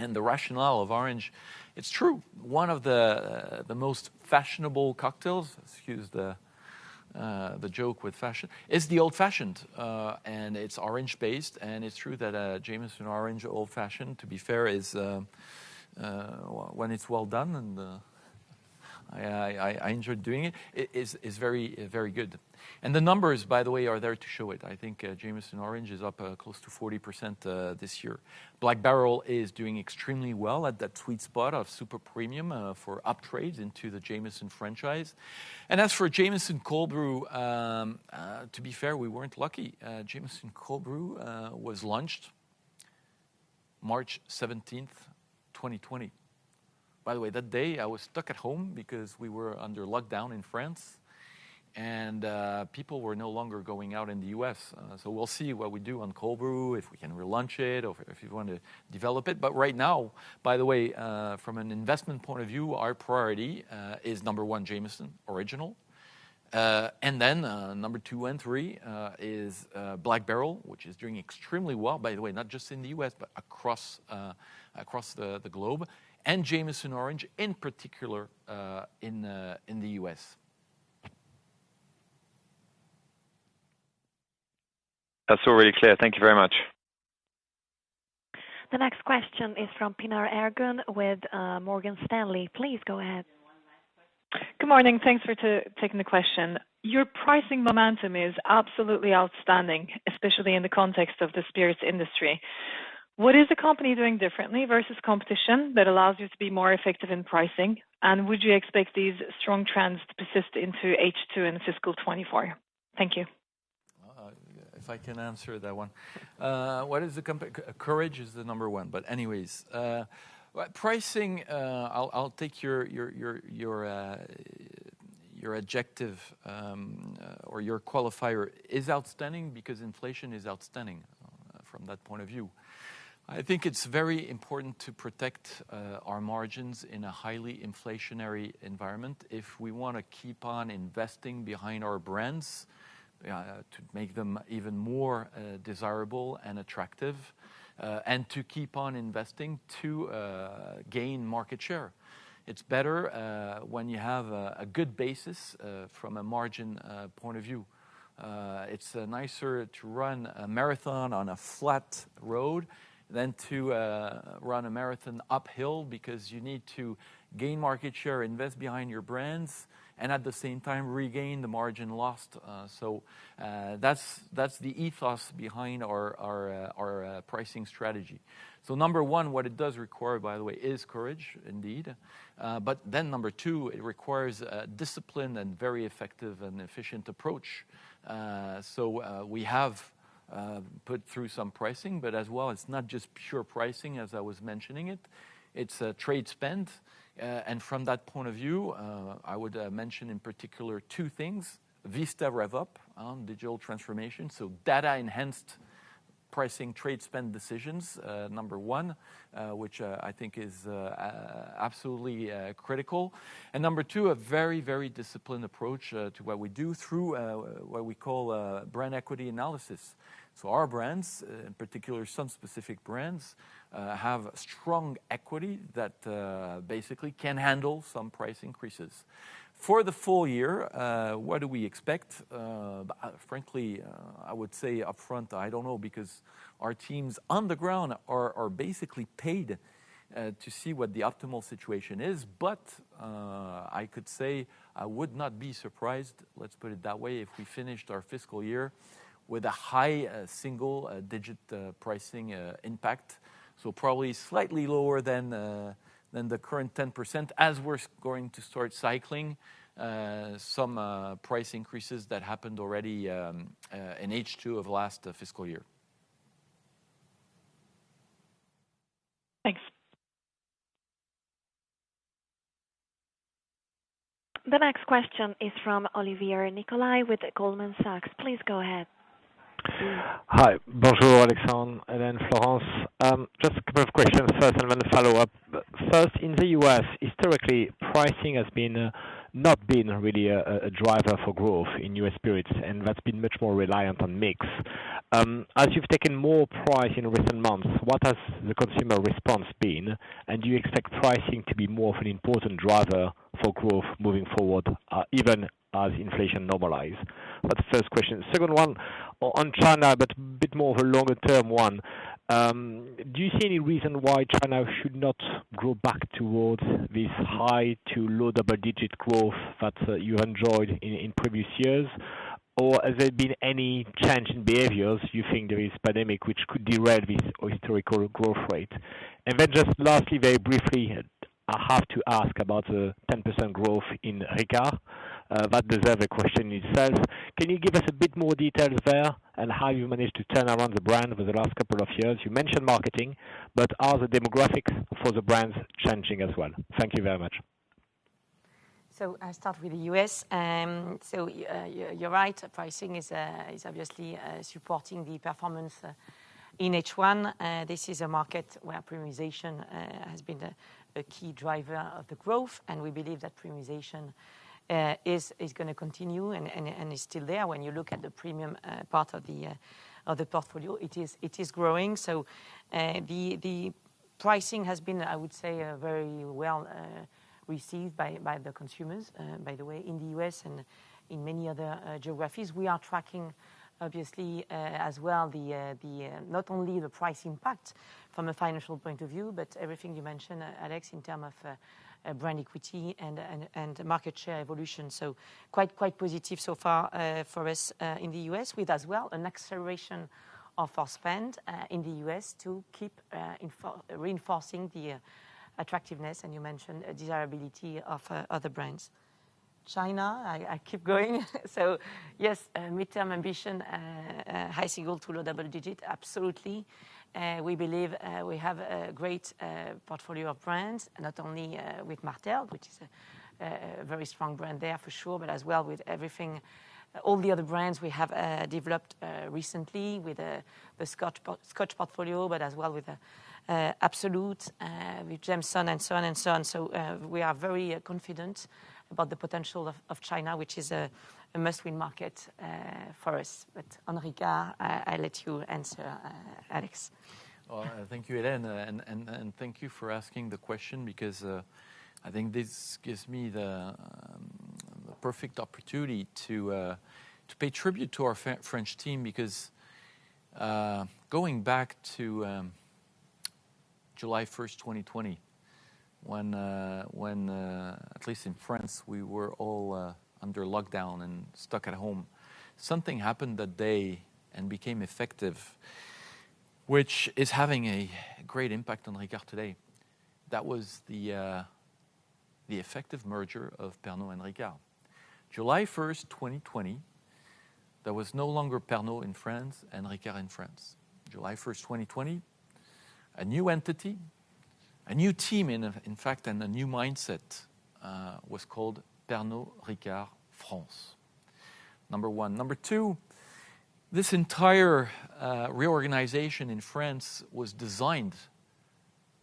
The rationale of Orange, it's true. One of the most fashionable cocktails, excuse the joke with fashion, is the Old Fashioned, and it's orange-based, and it's true that a Jameson Orange Old Fashioned, to be fair, is when it's well done, and I enjoyed doing it is very good. The numbers, by the way, are there to show it. I think Jameson Orange is up close to 40% this year. Black Barrel is doing extremely well at that sweet spot of super premium for uptrades into the Jameson franchise. As for Jameson Cold Brew, to be fair, we weren't lucky. Jameson Cold Brew was launched March 17th, 2020. By the way, that day I was stuck at home because we were under lockdown in France, and people were no longer going out in the U.S. We'll see what we do on Cold Brew, if we can relaunch it or if we want to develop it. Right now, by the way, from an investment point of view, our priority is number one, Jameson Original. Number two and three is Black Barrel, which is doing extremely well, by the way, not just in the U.S., but across the globe, and Jameson Orange, in particular, in the U.S. That's all really clear. Thank you very much. The next question is from Pinar Ergun with Morgan Stanley. Please go ahead. Good morning. Thanks for taking the question. Your pricing momentum is absolutely outstanding, especially in the context of the spirits industry. What is the company doing differently versus competition that allows you to be more effective in pricing? Would you expect these strong trends to persist into H2 in fiscal 2024? Thank you. If I can answer that one. Courage is the number one, but anyways. Pricing, I'll take your adjective or your qualifier is outstanding because inflation is outstanding from that point of view. I think it's very important to protect our margins in a highly inflationary environment if we wanna keep on investing behind our brands to make them even more desirable and attractive and to keep on investing to gain market share. It's better when you have a good basis from a margin point of view. It's nicer to run a marathon on a flat road than to run a marathon uphill because you need to gain market share, invest behind your brands, and at the same time regain the margin lost. That's the ethos behind our pricing strategy. Number one, what it does require, by the way, is courage indeed. Number two, it requires discipline and very effective and efficient approach. We have put through some pricing, but as well, it's not just pure pricing as I was mentioning it. It's trade spend. From that point of view, I would mention in particular two things. Vista Rev-Up on digital transformation, so data-enhanced pricing trade spend decisions, number one, which I think is absolutely critical. Number two, a very, very disciplined approach to what we do through what we call brand equity analysis. Our brands, in particular some specific brands, have strong equity that basically can handle some price increases. For the full year, what do we expect? frankly, I would say upfront, I don't know, because our teams on the ground are basically paid to see what the optimal situation is. I could say I would not be surprised, let's put it that way, if we finished our fiscal year with a high single digit pricing impact. probably slightly lower than the current 10% as we're going to start cycling some price increases that happened already in H2 of last fiscal year. Thanks. The next question is from Olivier Nicolaï with Goldman Sachs. Please go ahead. Hi. Bonjour, Alexandre and then Florence. Just a couple of questions first, and then a follow-up. First, in the U.S., historically, pricing has not been really a driver for growth in U.S. spirits, and that's been much more reliant on mix. As you've taken more price in recent months, what has the consumer response been? Do you expect pricing to be more of an important driver for growth moving forward, even as inflation normalize? That's the first question. Second one, on China, but a bit more of a longer term one. Do you see any reason why China should not go back towards this high to low double-digit growth that you enjoyed in previous years? Has there been any change in behaviors you think there is pandemic which could derail this historical growth rate? Just lastly, very briefly, I have to ask about the 10% growth in Ricard. That deserve a question itself. Can you give us a bit more details there on how you managed to turn around the brand over the last couple of years? You mentioned marketing, but are the demographics for the brands changing as well? Thank you very much. I'll start with the U.S. You're right. Pricing is obviously supporting the performance in H1. This is a market where premiumization has been the a key driver of the growth, and we believe that premiumization is gonna continue and is still there. When you look at the premium part of the portfolio, it is growing. The pricing has been, I would say, very well received by the consumers, by the way, in the U.S. and in many other geographies. We are tracking obviously as well the not only the price impact from a financial point of view, but everything you mentioned, Alex, in term of brand equity and market share evolution. Quite positive so far for us in the U.S., with as well an acceleration of our spend in the U.S. to keep reinforcing the attractiveness, and you mentioned desirability of other brands. China, I keep going. Yes, midterm ambition, high single-digit to low double-digit, absolutely. We believe we have a great portfolio of brands, not only with Martell, which is a very strong brand there for sure, but as well with everything, all the other brands we have developed recently with the Scotch portfolio, but as well with Absolut, with Jameson and so on and so on. We are very confident about the potential of China, which is a must-win market for us. On Ricard, I let you answer, Alex. Well, thank you, Hélène. Thank you for asking the question because I think this gives me the perfect opportunity to pay tribute to our French team. Going back to July 1, 2020, when at least in France, we were all under lockdown and stuck at home, something happened that day and became effective, which is having a great impact on Ricard today. That was the effective merger of Pernod and Ricard. July 1, 2020, there was no longer Pernod in France and Ricard in France. July 1, 2020, a new entity, a new team in fact, and a new mindset, was called Pernod Ricard France, number one. Number two, this entire reorganization in France was designed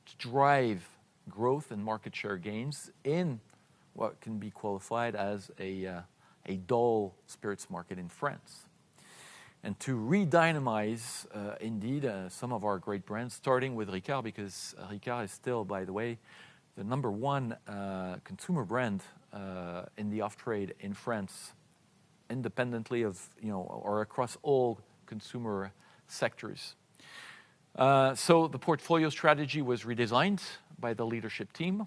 to drive growth and market share gains in what can be qualified as a dull spirits market in France. To redynamize, indeed, some of our great brands, starting with Ricard, because Ricard is still, by the way, the number one consumer brand in the off-trade in France, independently of, you know, or across all consumer sectors. The portfolio strategy was redesigned by the leadership team.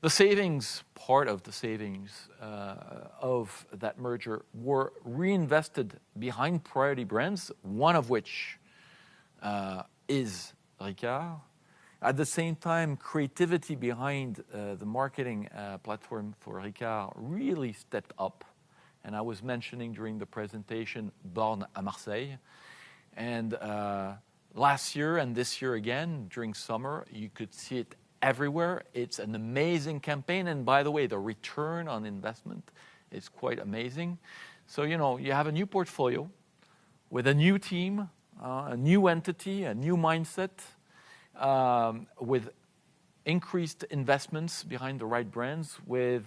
The savings, part of the savings, of that merger were reinvested behind priority brands, one of which is Ricard. At the same time, creativity behind the marketing platform for Ricard really stepped up. I was mentioning during the presentation, Born à Marseille. Last year and this year again, during summer, you could see it everywhere. It's an amazing campaign. By the way, the return on investment is quite amazing. You know, you have a new portfolio with a new team, a new entity, a new mindset, with increased investments behind the right brands, with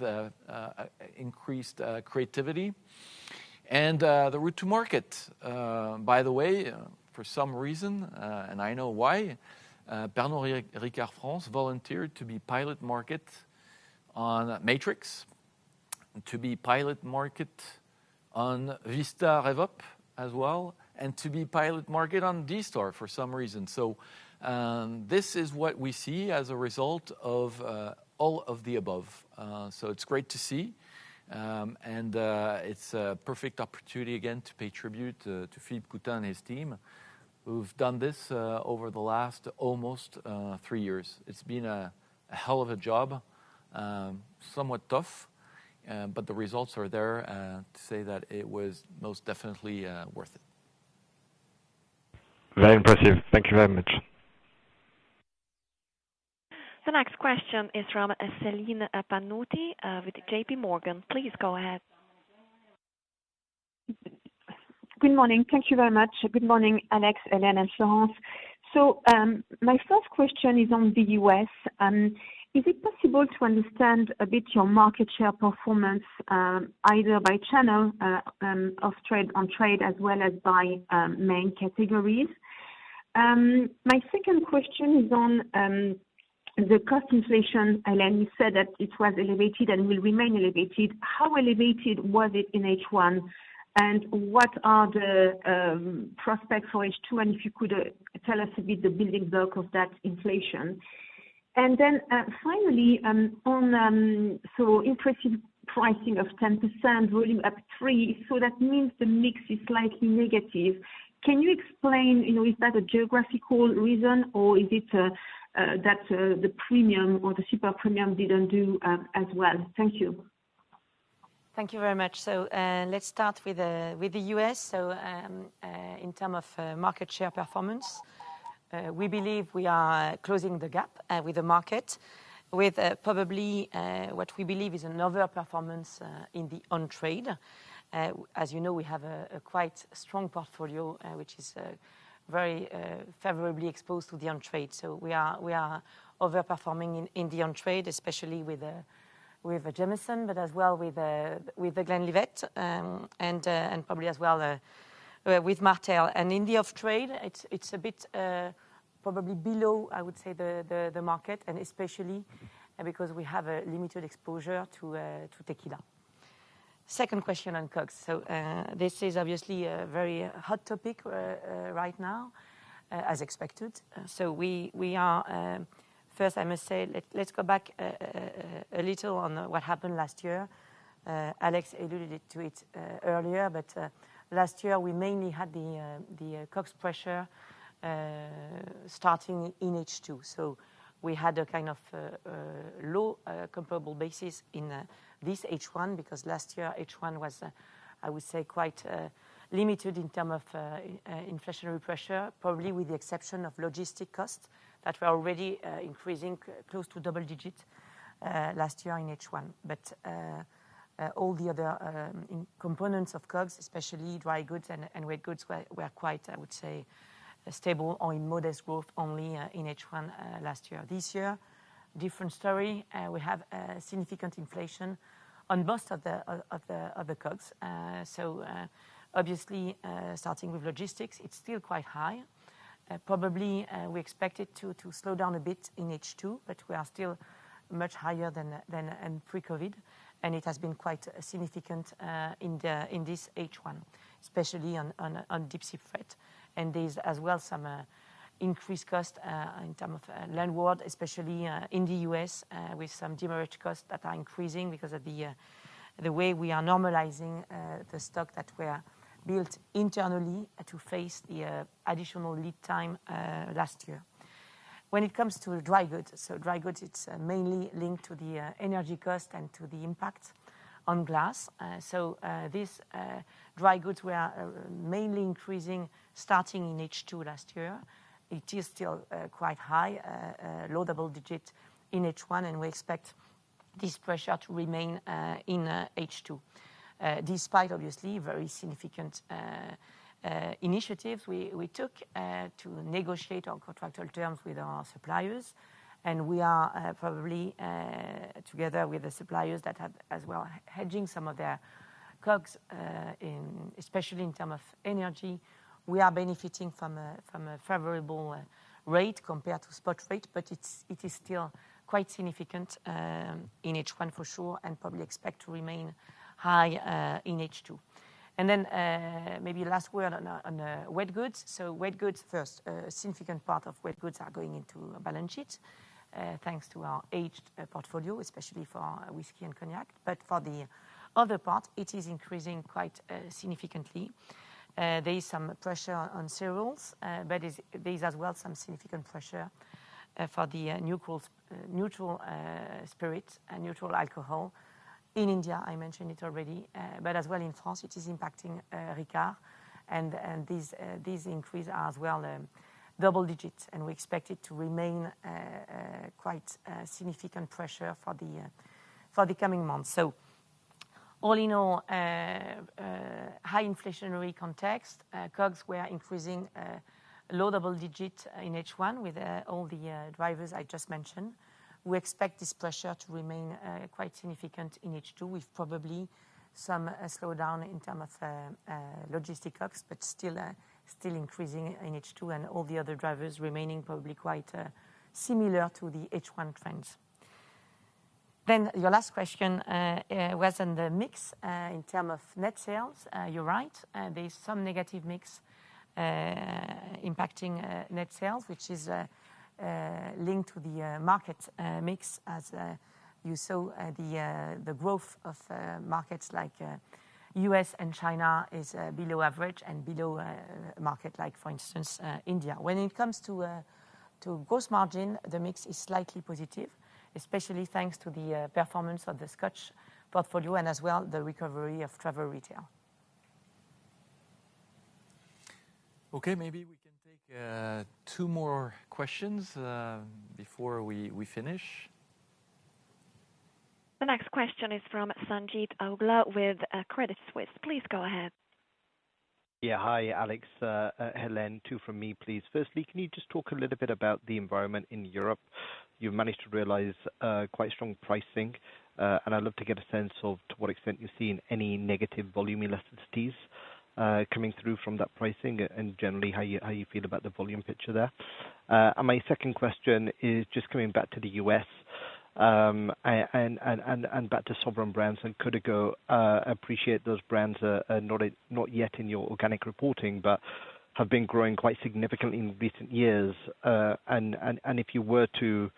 increased creativity. The route to market. By the way, for some reason, and I know why, Pernod Ricard France volunteered to be pilot market on Matrix, to be pilot market on Vista Rev-Up as well, and to be pilot market on D-STAR for some reason. This is what we see as a result of all of the above. It's great to see. It's a perfect opportunity again, to pay tribute to Philippe Coutin and his team who've done this over the last almost three years. It's been a hell of a job, somewhat tough, but the results are there to say that it was most definitely worth it. Very impressive. Thank you very much. The next question is from Celine Pannuti, with J.P. Morgan. Please go ahead. Good morning. Thank you very much. Good morning, Alex, Hélène, and Laurence. My first question is on the U.S. Is it possible to understand a bit your market share performance, either by channel, off-trade, on-trade, as well as by main categories? My second question is on the cost inflation. Hélène said that it was elevated and will remain elevated. How elevated was it in H1? What are the prospects for H2? If you could tell us a bit the building block of that inflation. Finally, on so interesting pricing of 10%, volume up 3%, so that means the mix is slightly negative. Can you explain, you know, is that a geographical reason or is it that the premium or the super premium didn't do as well? Thank you. Thank you very much. Let's start with the U.S. In terms of market share performance, we believe we are closing the gap with the market with probably what we believe is another performance in the on-trade. As you know, we have a quite strong portfolio, which is very favorably exposed to the on-trade. We are over-performing in the on-trade, especially with Jameson, but as well with The Glenlivet, and probably as well with Martell. In the off-trade, it's a bit probably below, I would say, the market and especially because we have a limited exposure to tequila. Second question on COGS. This is obviously a very hot topic right now as expected. We are. First, I must say, let's go back a little on what happened last year. Alex alluded to it earlier. Last year, we mainly had the COGS pressure starting in H2. We had a kind of low comparable basis in this H1 because last year, H1 was, I would say, quite limited in term of inflationary pressure, probably with the exception of logistic costs that were already increasing close to double-digit last year in H1. All the other components of COGS, especially dry goods and wet goods were quite, I would say, stable or in modest growth only in H1 last year. This year, different story. We have a significant inflation on most of the COGS. Obviously, starting with logistics, it's still quite high. Probably, we expect it to slow down a bit in H2, but we are still much higher than in pre-COVID, and it has been quite significant in this H1, especially on deep sea freight. There's as well some increased cost in terms of landward, especially in the U.S., with some demurrage costs that are increasing because of the way we are normalizing the stock that were built internally to face the additional lead time last year. When it comes to dry goods, it's mainly linked to the energy cost and to the impact on glass. This dry goods were mainly increasing starting in H2 last year. It is still quite high, low double digits in H1, and we expect this pressure to remain in H2. Despite obviously very significant initiatives, we took to negotiate our contractual terms with our suppliers, and we are probably together with the suppliers that have as well hedging some of their COGS, especially in term of energy. We are benefiting from a favorable rate compared to spot rate, but it is still quite significant in H1 for sure, and probably expect to remain high in H2. Maybe last word on wet goods. Wet goods first. A significant part of wet goods are going into balance sheet thanks to our aged portfolio, especially for whiskey and cognac. But for the other part, it is increasing quite significantly. There is some pressure on cereals, there's as well some significant pressure for the neutral spirit and neutral alcohol. In India, I mentioned it already, but as well in France, it is impacting Ricard. These increase as well, double digits, and we expect it to remain quite significant pressure for the coming months. All in all, high inflationary context, COGS were increasing low double digits in H1 with all the drivers I just mentioned. We expect this pressure to remain quite significant in H2, with probably some slowdown in term of logistic COGS, but still increasing in H2 and all the other drivers remaining probably quite similar to the H1 trends. Your last question was on the mix in term of net sales. You're right. There's some negative mix impacting net sales, which is linked to the market mix. As you saw, the growth of markets like U.S. and China is below average and below market like for instance, India. When it comes to gross margin, the mix is slightly positive, especially thanks to the performance of the Scotch portfolio and as well the recovery of travel retail. Okay, maybe we can take two more questions before we finish. The next question is from Sanjeet Aujla with Credit Suisse. Please go ahead. Hi, Alex. Hélène, two from me, please. Firstly, can you just talk a little bit about the environment in Europe? You've managed to realize quite strong pricing, and I'd love to get a sense of to what extent you're seeing any negative volume elasticity coming through from that pricing and generally how you feel about the volume picture there. My second question is just coming back to the U.S., and back to Sovereign Brands and Código. Appreciate those brands are not yet in your organic reporting, but have been growing quite significantly in recent years. If you were to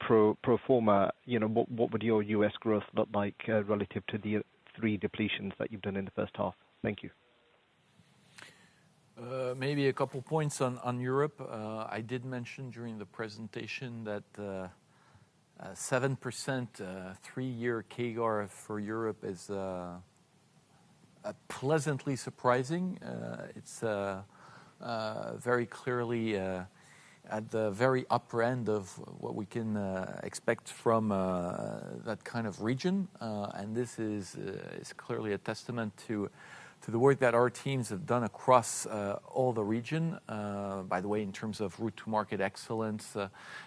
pro forma, you know, what would your U.S. growth look like relative to the three depletions that you've done in the first half? Thank you. Maybe a couple points on Europe. I did mention during the presentation that a 7%, 3-year CAGR for Europe is pleasantly surprising. It's very clearly at the very upper end of what we can expect from that kind of region. This is clearly a testament to the work that our teams have done across all the region. By the way, in terms of route to market excellence,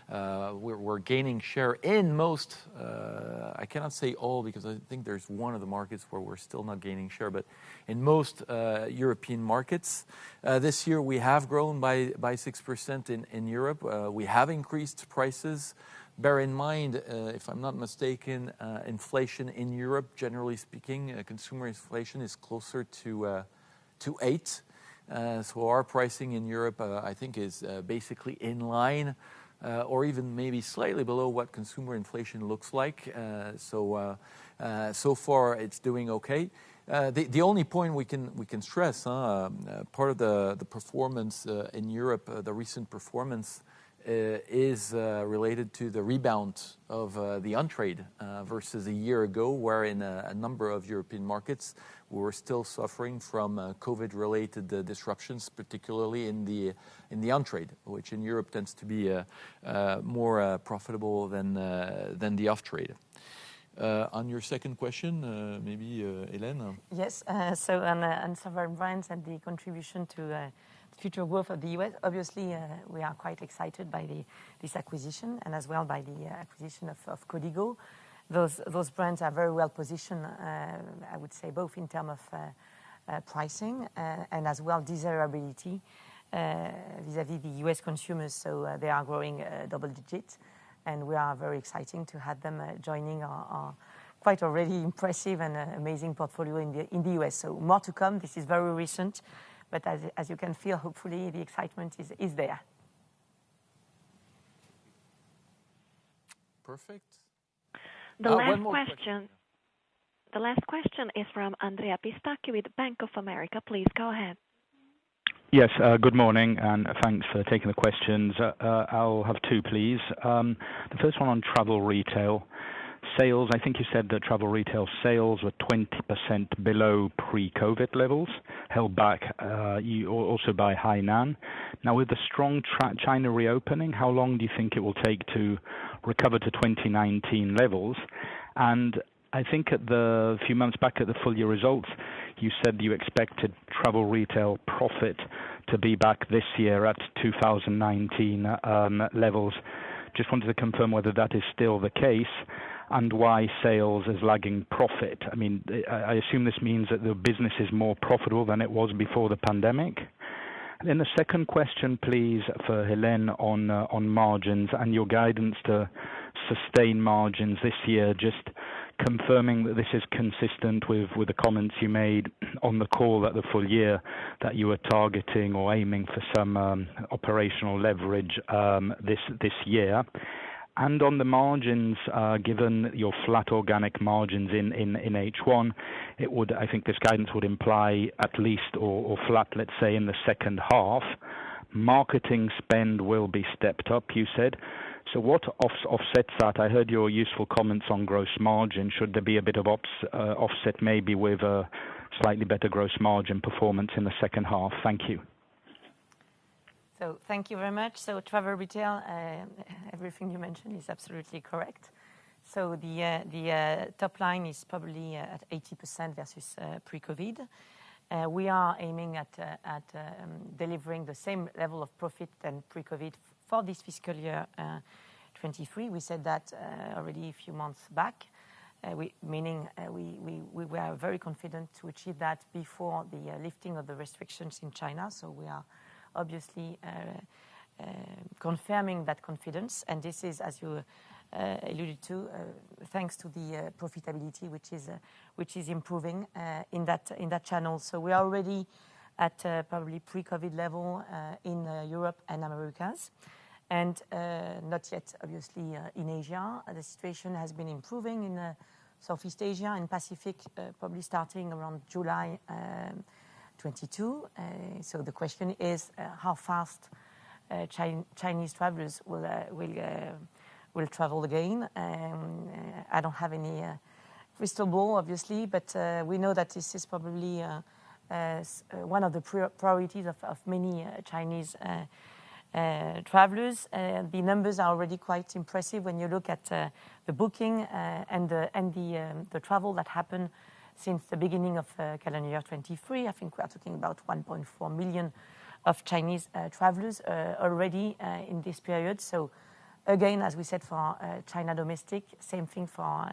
we're gaining share in most, I cannot say all because I think there's one of the markets where we're still not gaining share. In most European markets, this year we have grown by 6% in Europe. We have increased prices. Bear in mind, if I'm not mistaken, inflation in Europe, generally speaking, consumer inflation is closer to 8%. Our pricing in Europe, I think is basically in line or even maybe slightly below what consumer inflation looks like. So far it's doing okay. The only point we can stress, part of the performance in Europe, the recent performance, is related to the rebound of the on-trade versus a year ago, where in a number of European markets were still suffering from COVID-related disruptions, particularly in the on-trade, which in Europe tends to be more profitable than the off-trade. On your second question, maybe Hélène? Yes. On Sovereign Brands and the contribution to future growth of the U.S., obviously, we are quite excited by this acquisition and as well by the acquisition of Código. Those brands are very well-positioned, I would say both in term of pricing and as well desirability vis-a-vis the U.S. consumers. They are growing double digit, and we are very exciting to have them joining our quite already impressive and amazing portfolio in the U.S. More to come. This is very recent, as you can feel, hopefully the excitement is there. Perfect. One more question. The last question is from Andrea Pistacchi with Bank of America. Please go ahead. Yes. Good morning, thanks for taking the questions. I'll have two, please. The first one on travel retail sales. I think you said that travel retail sales were 20% below pre-COVID levels, held back also by Hainan. With the strong China reopening, how long do you think it will take to recover to 2019 levels? I think at the few months back at the full year results, you said you expected travel retail profit to be back this year at 2019 levels. Just wanted to confirm whether that is still the case and why sales is lagging profit. I mean, I assume this means that the business is more profitable than it was before the pandemic. The second question, please, for Hélène on margins and your guidance to sustain margins this year. Just confirming that this is consistent with the comments you made on the call at the full year that you were targeting or aiming for some operational leverage this year. On the margins, given your flat organic margins in H1, I think this guidance would imply at least or flat, let's say in the second half. Marketing spend will be stepped up, you said. What offsets that? I heard your useful comments on gross margin. Should there be a bit of ops offset maybe with a slightly better gross margin performance in the second half? Thank you very much. Travel retail, everything you mentioned is absolutely correct. The top line is probably at 80% versus pre-COVID. We are aiming at delivering the same level of profit than pre-COVID for this fiscal year 23. We said that already a few months back. We were very confident to achieve that before the lifting of the restrictions in China. So we are obviously confirming that confidence. And this is, as you alluded to, thanks to the profitability, which is improving in that channel. So we are already at probably pre-COVID level in Europe and Americas and not yet obviously in Asia The situation has been improving in Southeast Asia and Pacific, probably starting around July 2022. The question is how fast Chinese travelers will travel again. I don't have any crystal ball obviously, we know that this is probably one of the priorities of many Chinese travelers. The numbers are already quite impressive when you look at the booking and the travel that happened since the beginning of calendar year 2023. I think we are talking about 1.4 million Chinese travelers already in this period. Again, as we said for China domestic, same thing for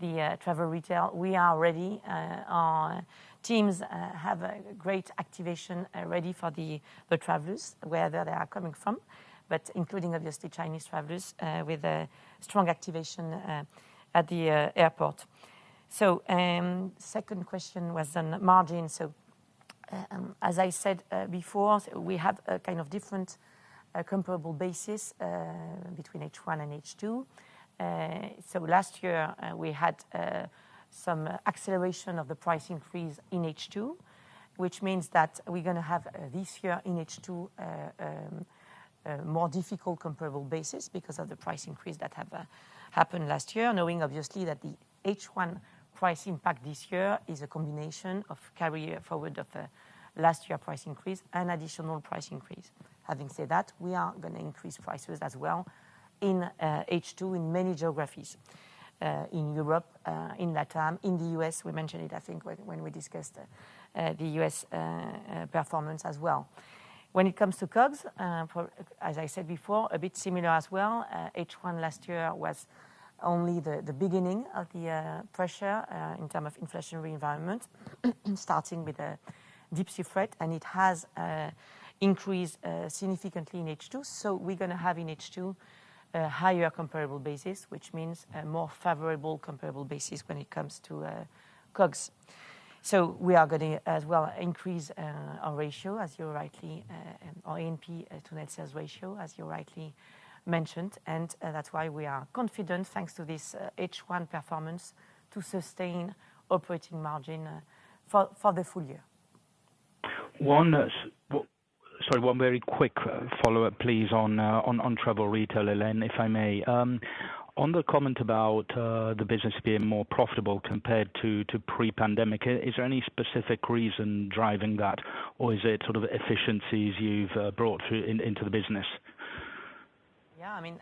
the travel retail. We are ready. Our teams have a great activation ready for the travelers, wherever they are coming from, but including obviously Chinese travelers, with a strong activation at the airport. Second question was on margin. As I said before, we have a kind of different comparable basis between H1 and H2. Last year, we had some acceleration of the price increase in H2, which means that we're gonna have this year in H2 a more difficult comparable basis because of the price increase that have happened last year. Knowing obviously that the H1 price impact this year is a combination of carry forward of last year price increase and additional price increase. Having said that, we are gonna increase prices as well in H2 in many geographies, in Europe, in that time, in the U.S., we mentioned it I think when we discussed the U.S. performance as well. When it comes to COGS, as I said before, a bit similar as well. H1 last year was only the beginning of the pressure in terms of inflationary environment, starting with deep sea freight, it has increased significantly in H2. We're gonna have in H2 a higher comparable basis, which means a more favorable comparable basis when it comes to COGS. We are gonna as well increase our ratio as you rightly. A&P to net sales ratio as you rightly mentioned. That's why we are confident, thanks to this H1 performance, to sustain operating margin for the full year. One very quick follow-up, please, on travel retail, Hélène, if I may. On the comment about the business being more profitable compared to pre-pandemic, is there any specific reason driving that? Or is it sort of efficiencies you've brought through into the business? Yeah. I mean,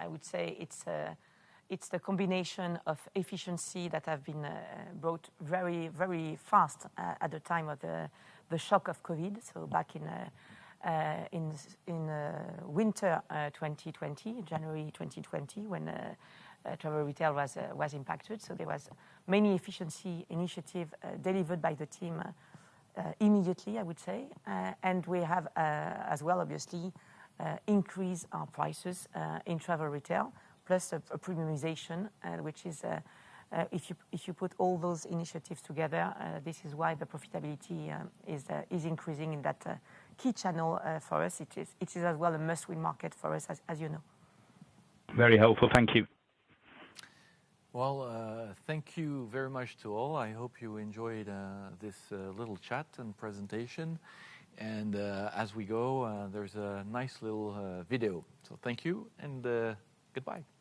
I would say it's the combination of efficiency that have been brought very, very fast at the time of the shock of COVID. Back in winter 2020, January 2020, when travel retail was impacted. There was many efficiency initiative delivered by the team immediately, I would say. We have as well obviously increased our prices in travel retail, plus a premiumization, which is, if you put all those initiatives together, this is why the profitability is increasing in that key channel for us. It is as well a must-win market for us as you know. Very helpful. Thank you. Well, thank you very much to all. I hope you enjoyed this little chat and presentation. As we go, there's a nice little video. Thank you and goodbye. Thank you.